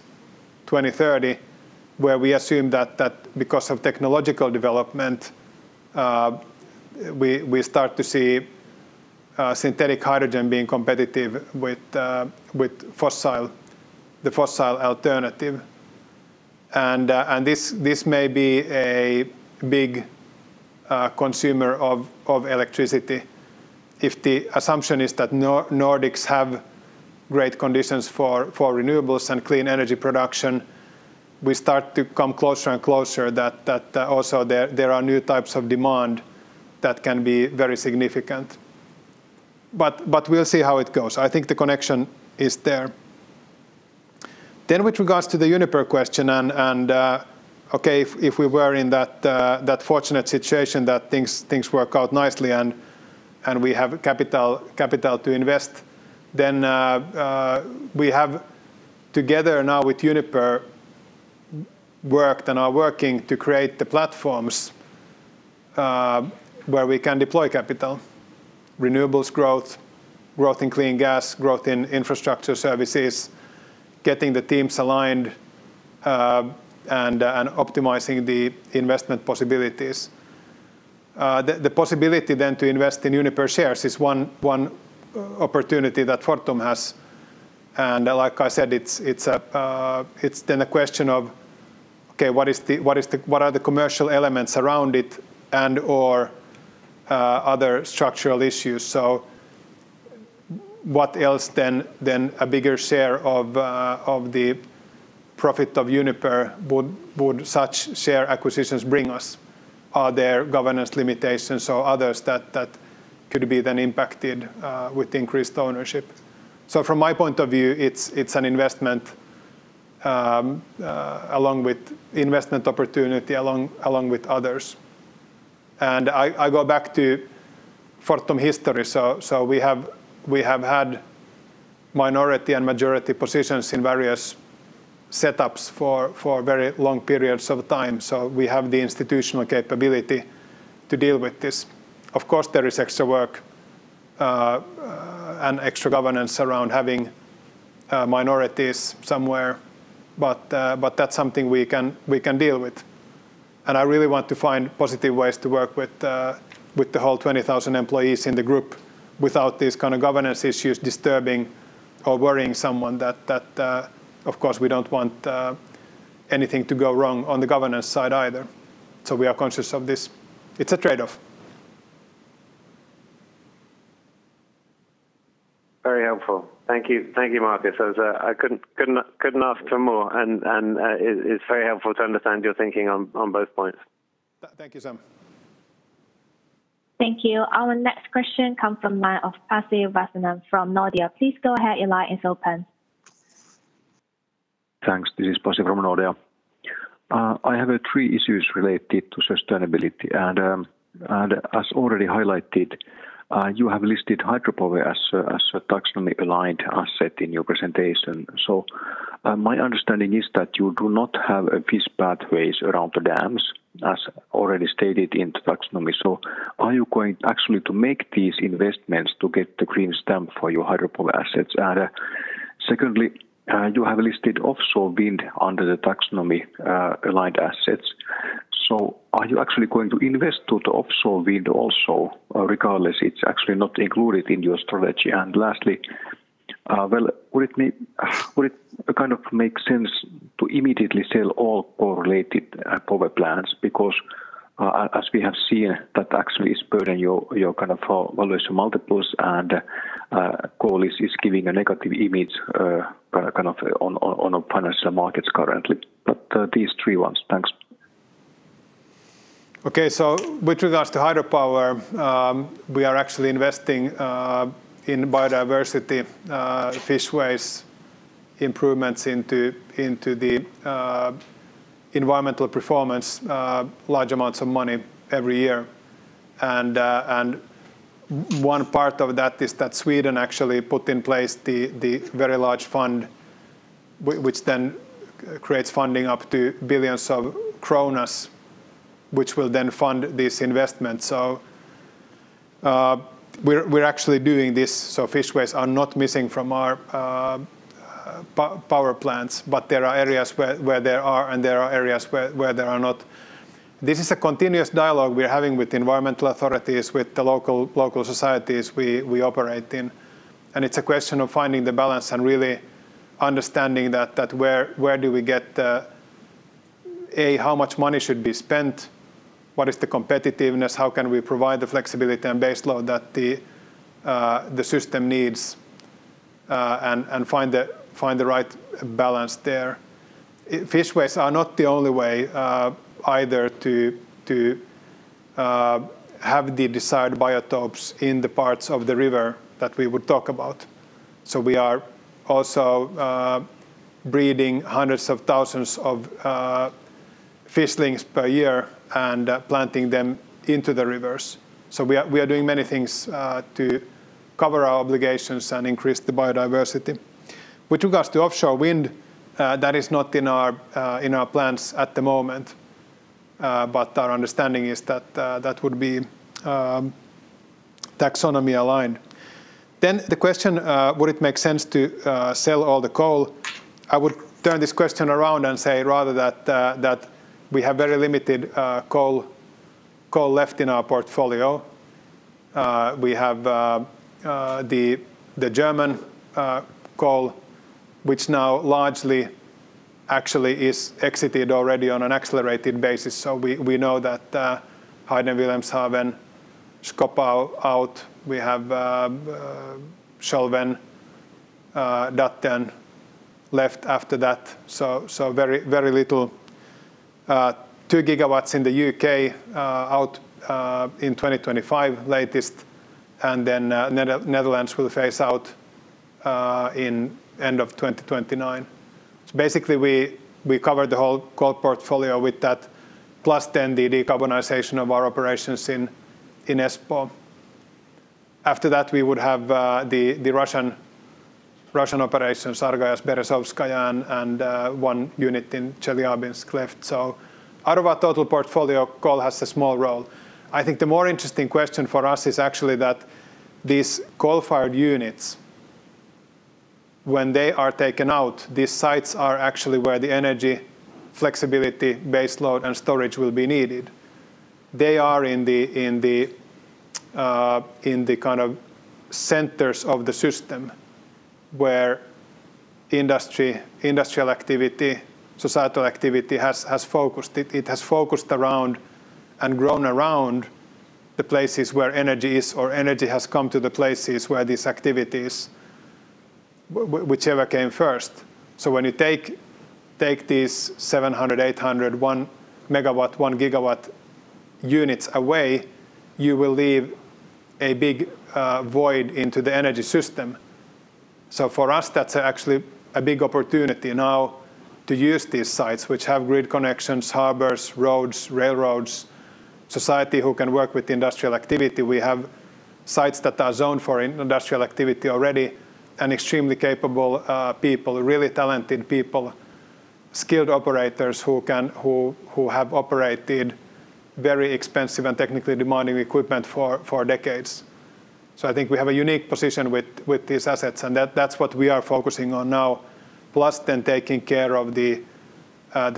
2030, where we assume that because of technological development, we start to see synthetic hydrogen being competitive with the fossil alternative. This may be a big consumer of electricity. If the assumption is that Nordics have great conditions for renewables and clean energy production, we start to come closer and closer that also there are new types of demand that can be very significant. We'll see how it goes. I think the connection is there. With regards to the Uniper question, okay, if we were in that fortunate situation that things work out nicely and we have capital to invest, we have together now with Uniper worked and are working to create the platforms where we can deploy capital. Renewables growth in clean gas, growth in infrastructure services, getting the teams aligned, and optimizing the investment possibilities. The possibility then to invest in Uniper shares is one opportunity that Fortum has. Like I said, it's then a question of, okay, what are the commercial elements around it and/or other structural issues? What else than a bigger share of the profit of Uniper would such share acquisitions bring us? Are there governance limitations or others that could be then impacted with increased ownership? From my point of view, it's an investment opportunity along with others. I go back to Fortum history. We have had minority and majority positions in various setups for very long periods of time. We have the institutional capability to deal with this. Of course, there is extra work and extra governance around having minorities somewhere, but that's something we can deal with. I really want to find positive ways to work with the whole 20,000 employees in the group without these kind of governance issues disturbing or worrying someone that, of course, we don't want anything to go wrong on the governance side either. We are conscious of this. It's a trade-off. Very helpful. Thank you, Markus. I couldn't ask for more, and it's very helpful to understand your thinking on both points. Thank you, Sam. Thank you. Our next question comes from line of Pasi Väisänen from Nordea. Thanks. This is Pasi from Nordea. I have three issues related to sustainability. As already highlighted, you have listed hydropower as a taxonomy-aligned asset in your presentation. My understanding is that you do not have fish pathways around the dams, as already stated in taxonomy. Are you going actually to make these investments to get the green stamp for your hydropower assets? Secondly, you have listed offshore wind under the taxonomy-aligned assets. Are you actually going to invest to the offshore wind also, regardless it's actually not included in your strategy? Lastly, well, would it kind of make sense to immediately sell all coal-related power plants because, as we have seen, that actually is burden your kind of valuation multiples, and coal is giving a negative image kind of on financial markets currently. These three ones. Thanks. With regards to hydropower, we are actually investing in biodiversity fishways improvements into the environmental performance large amounts of money every year. One part of that is that Sweden actually put in place the very large fund, which then creates funding up to billions of kronors, which will then fund this investment. We're actually doing this so fishways are not missing from our power plants, but there are areas where there are, and there are areas where there are not. This is a continuous dialogue we're having with environmental authorities, with the local societies we operate in. It's a question of finding the balance and really understanding that where do we get the how much money should be spent? What is the competitiveness? How can we provide the flexibility and base load that the system needs, find the right balance there. Fishways are not the only way either to have the desired biotopes in the parts of the river that we would talk about. We are also breeding hundreds of thousands of fishlings per year and planting them into the rivers. We are doing many things to cover our obligations and increase the biodiversity. With regards to offshore wind, that is not in our plans at the moment. Our understanding is that that would be taxonomy-aligned. The question, would it make sense to sell all the coal? I would turn this question around and say rather that we have very limited coal left in our portfolio. We have the German coal, which now largely actually is exited already on an accelerated basis. We know that Heyden, Wilhelmshaven, Schkopau out. We have Scholven, Datteln left after that. Very little. Two gigawatts in the U.K. out in 2025 latest. Netherlands will phase out in end of 2029. Basically we covered the whole coal portfolio with that, plus then the decarbonization of our operations in Espoo. After that we would have the Russian operations, Argayash, Beresovskaya, and one unit in Chelyabinsk left. Out of our total portfolio, coal has a small role. I think the more interesting question for us is actually that these coal-fired units, when they are taken out, these sites are actually where the energy flexibility, base load, and storage will be needed. They are in the kind of centers of the system where industry, industrial activity, societal activity has focused. It has focused around and grown around the places where energy is, or energy has come to the places where these activities, whichever came first. When you take these 700, 800, one megawatt, one gigawatt units away, you will leave a big void into the energy system. For us, that's actually a big opportunity now to use these sites, which have grid connections, harbors, roads, railroads, society who can work with industrial activity. We have sites that are zoned for industrial activity already, and extremely capable people, really talented people, skilled operators who have operated very expensive and technically demanding equipment for decades. I think we have a unique position with these assets, and that's what we are focusing on now. Plus then taking care of the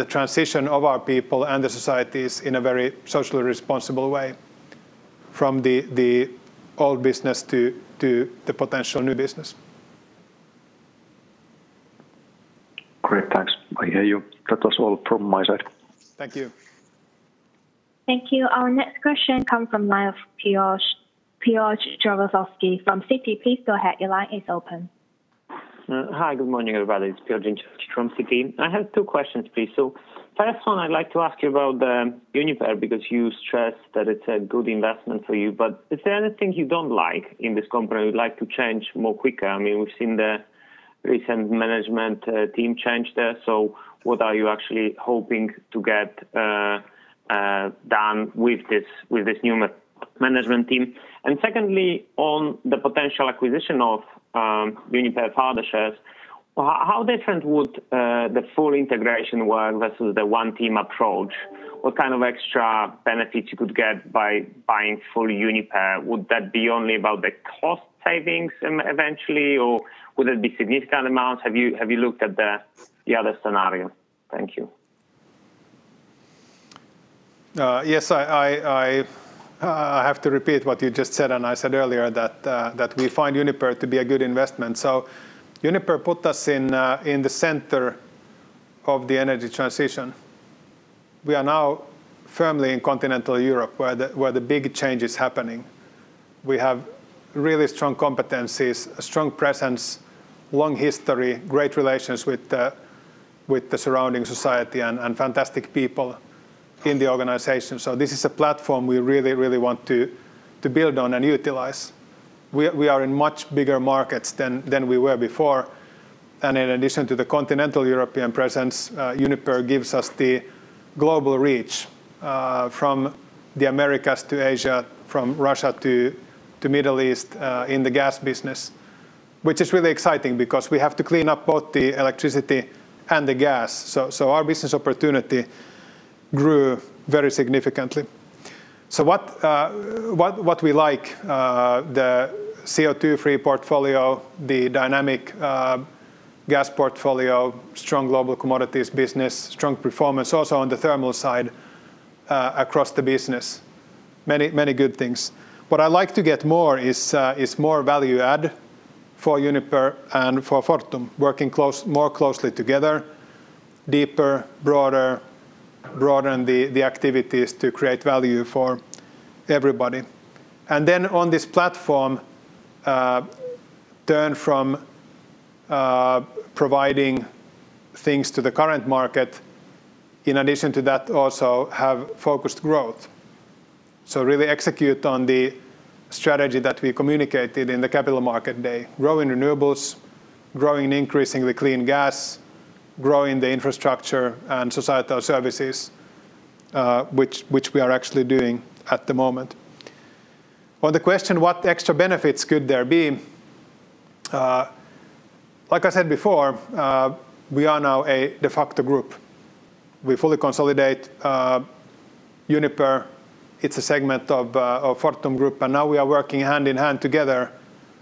transition of our people and the societies in a very socially responsible way from the old business to the potential new business. Great. Thanks. I hear you. That was all from my side. Thank you. Thank you. Our next question comes from line of Piotr Dzieciolowski from Citi. Please go ahead. Your line is open. Hi, good morning, everybody. It's Piotr Dzieciolowski from Citi. I have two questions, please. First one, I'd like to ask you about the Uniper, because you stressed that it's a good investment for you. Is there anything you don't like in this company you would like to change more quicker? We've seen the recent management team change there. What are you actually hoping to get done with this new management team? Secondly, on the potential acquisition of Uniper further shares, how different would the full integration work versus the One Team approach? What kind of extra benefits you could get by buying full Uniper? Would that be only about the cost savings eventually, or would it be significant amounts? Have you looked at the other scenario? Thank you. Yes, I have to repeat what you just said and I said earlier that we find Uniper to be a good investment. Uniper put us in the center of the energy transition. We are now firmly in continental Europe where the big change is happening. We have really strong competencies, a strong presence, long history, great relations with the surrounding society, and fantastic people in the organization. This is a platform we really, really want to build on and utilize. We are in much bigger markets than we were before. In addition to the continental European presence, Uniper gives us the global reach from the Americas to Asia, from Russia to Middle East, in the gas business, which is really exciting because we have to clean up both the electricity and the gas. Our business opportunity grew very significantly. What we like, the CO2-free portfolio, the dynamic gas portfolio, strong global commodities business, strong performance also on the thermal side, across the business. Many good things. What I like to get more is more value add for Uniper and for Fortum, working more closely together, deeper, broader, broaden the activities to create value for everybody. On this platform, turn from providing things to the current market. In addition to that, also have focused growth. Really execute on the strategy that we communicated in the capital market day, grow in renewables, grow and increase in the clean gas, grow in the infrastructure and societal services, which we are actually doing at the moment. On the question, what extra benefits could there be? Like I said before, we are now a de facto group. We fully consolidate Uniper. It's a segment of Fortum Group, and now we are working hand in hand together,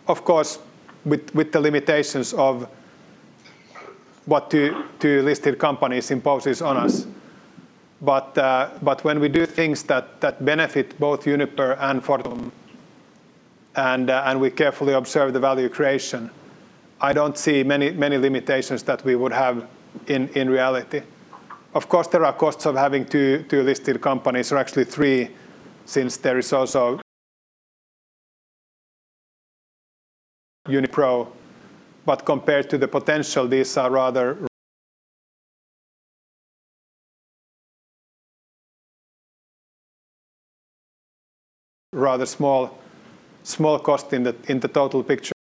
of course, with the limitations of what two listed companies imposes on us. When we do things that benefit both Uniper and Fortum, and we carefully observe the value creation, I don't see many limitations that we would have in reality. Of course, there are costs of having two listed companies, or actually three, since there is also Unipro. Compared to the potential, these are rather small costs in the total picture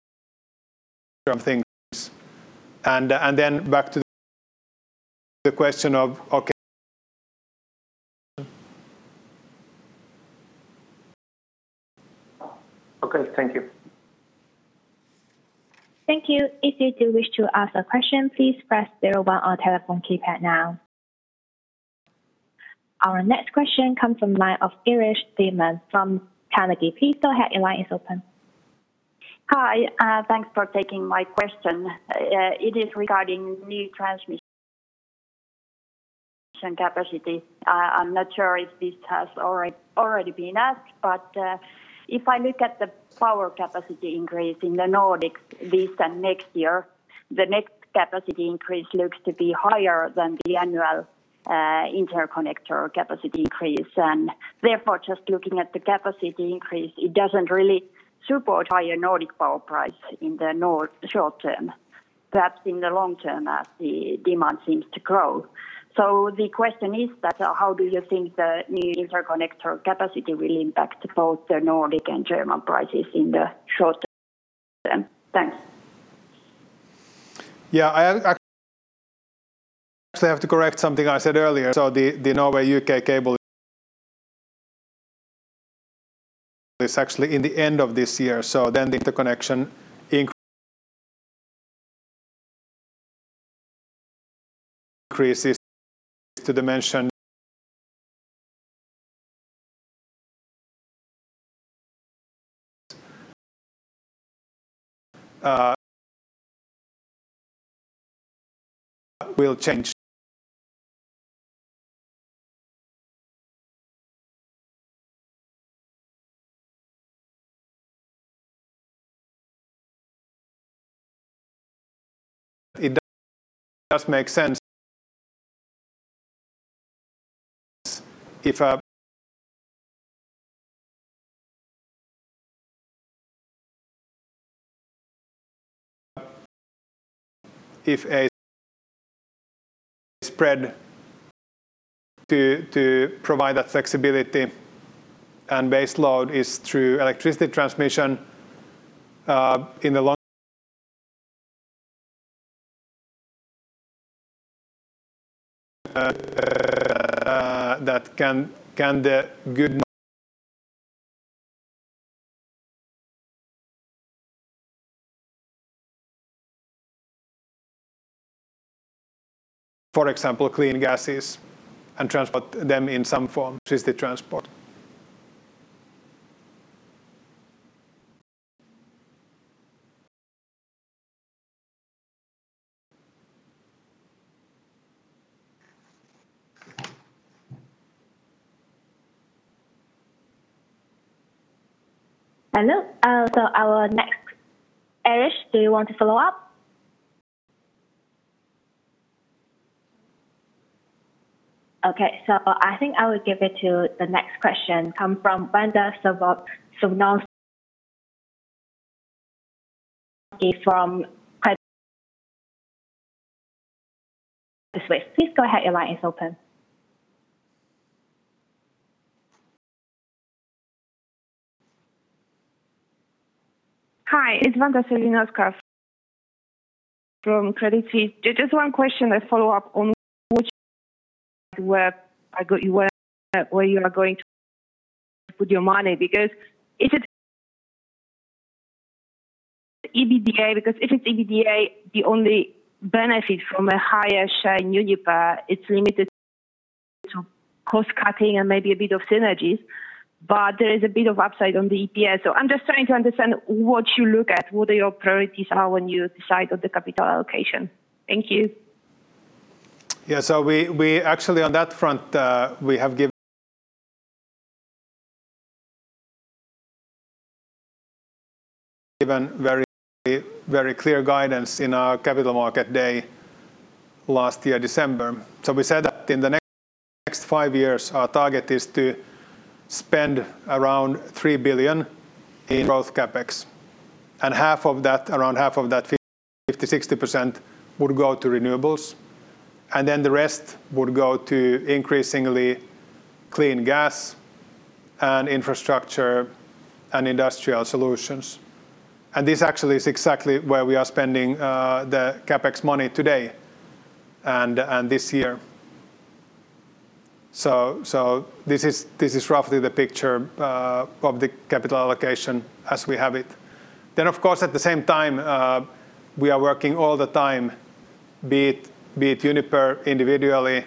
of things. Okay, thank you. Thank you. If you do wish to ask a question, please press 01 on telephone keypad now. Our next question comes from line of Iiris Theman from Carnegie. Please go ahead, your line is open. Hi. Thanks for taking my question. It is regarding new transmission capacity. I'm not sure if this has already been asked, but if I look at the power capacity increase in the Nordics this and next year, the next capacity increase looks to be higher than the annual interconnector capacity increase, and therefore, just looking at the capacity increase, it doesn't really support higher Nordic power price in the short term, perhaps in the long term as the demand seems to grow. The question is that how do you think the new interconnector capacity will impact both the Nordic and German prices in the short term? Thanks. Yeah, I actually have to correct something I said earlier. The Norway-U.K. cable is actually in the end of this year, so then the interconnection increase is to dimension. Will change. It does make sense. If a spread to provide that flexibility and base load is through electricity transmission, in the long that can be good. For example, clean gases and transport them in some form, which is the transport. Hello. Our next, Iiris Theman, do you want to follow up? I think I will give it to the next question, come from Wanda Serwinowska, Credit Suisse. Please go ahead, your line is open. Hi, it's Wanda Serwinowska from Credit Suisse. Just one question, a follow-up on what where you are going to put your money, because is it EBITDA? Because if it's EBITDA, the only benefit from a higher share in Uniper, it's limited to cost-cutting and maybe a bit of synergies, but there is a bit of upside on the EPS. I'm just trying to understand what you look at, what your priorities are when you decide on the capital allocation. Thank you. Yeah. Actually on that front, we have given very clear guidance in our capital market day last year, December. We said that in the next five years, our target is to spend around 3 billion in growth CapEx. Around half of that, 50%-60% would go to renewables, and the rest would go to increasingly clean gas and infrastructure and industrial solutions. This actually is exactly where we are spending the CapEx money today and this year. This is roughly the picture of the capital allocation as we have it. Of course, at the same time, we are working all the time, be it Uniper individually,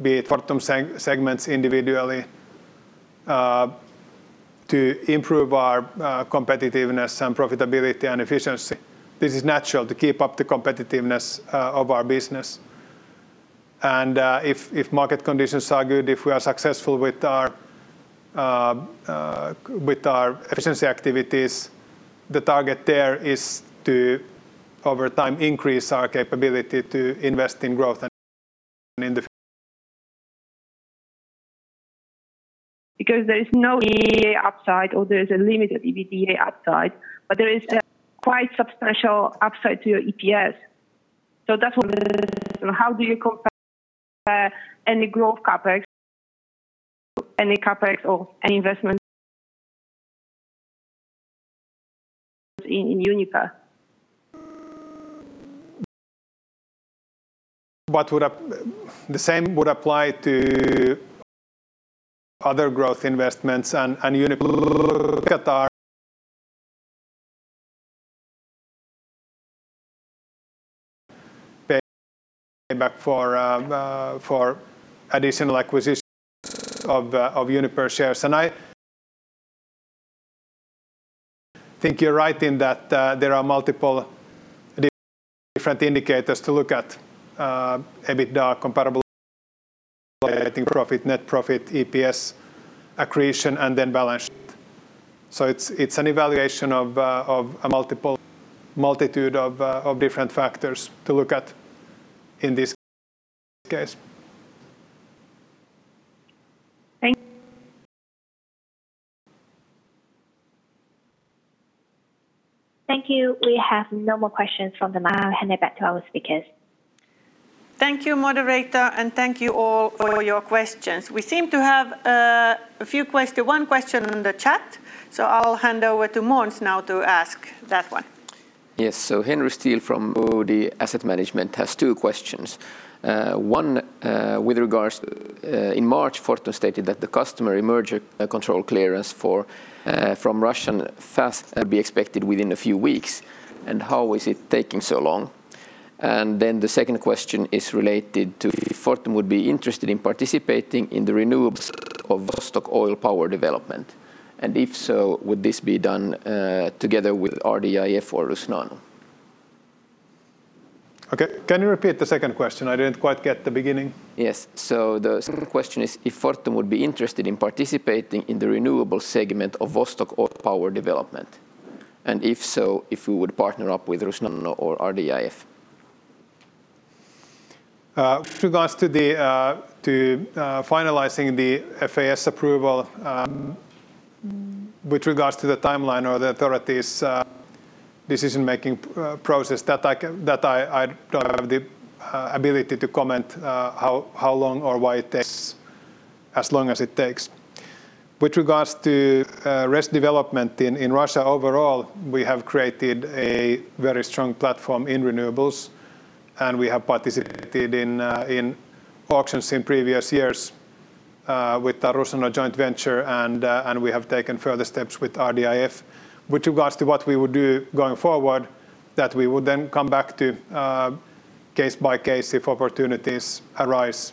be it Fortum segments individually, to improve our competitiveness and profitability and efficiency. This is natural to keep up the competitiveness of our business. If market conditions are good, if we are successful with our efficiency activities, the target there is to, over time, increase our capability to invest in growth and in the. Because there is no upside or there is a limited EBITDA upside, but there is a quite substantial upside to your EPS. That's what how do you compare any growth CapEx, any CapEx, or any investment in Uniper? The same would apply to other growth investments and Uniper payback for additional acquisition of Uniper shares. I think you're right in that there are multiple different indicators to look at. EBITDA comparable operating profit, net profit, EPS accretion, and then balance sheet. It's an evaluation of a multitude of different factors to look at in this case. Thank you. Thank you. We have no more questions from the line. I'll hand it back to our speakers. Thank you, moderator, and thank you all for your questions. We seem to have one question on the chat, so I'll hand over to Måns now to ask that one. Yes. Henry Steel from Odey Asset Management has two questions. One, with regards to in March, Fortum stated that the customary merger control clearance from Russian FAS could be expected within a few weeks, how is it taking so long? The second question is related to if Fortum would be interested in participating in the renewables of Vostok Oil Power Development. If so, would this be done together with RDIF or Rusnano? Okay. Can you repeat the second question? I didn't quite get the beginning. Yes. The second question is if Fortum would be interested in participating in the renewable segment of Vostok Oil Power Development, and if so, if we would partner up with Rusnano or RDIF. With regards to finalizing the FAS approval with regards to the timeline or the authorities' decision-making process, that I don't have the ability to comment how long or why it takes as long as it takes. With regards to rest development in Russia overall, we have created a very strong platform in renewables, and we have participated in auctions in previous years with the Rusnano joint venture, and we have taken further steps with RDIF. With regards to what we would do going forward, that we would then come back to case by case if opportunities arise.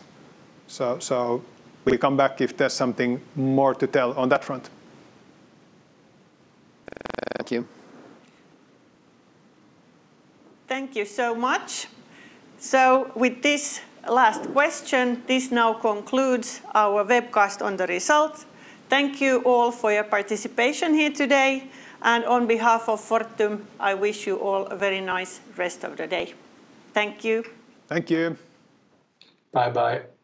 We'll come back if there's something more to tell on that front. Thank you. Thank you so much. With this last question, this now concludes our webcast on the results. Thank you all for your participation here today. On behalf of Fortum, I wish you all a very nice rest of the day. Thank you. Thank you. Bye bye.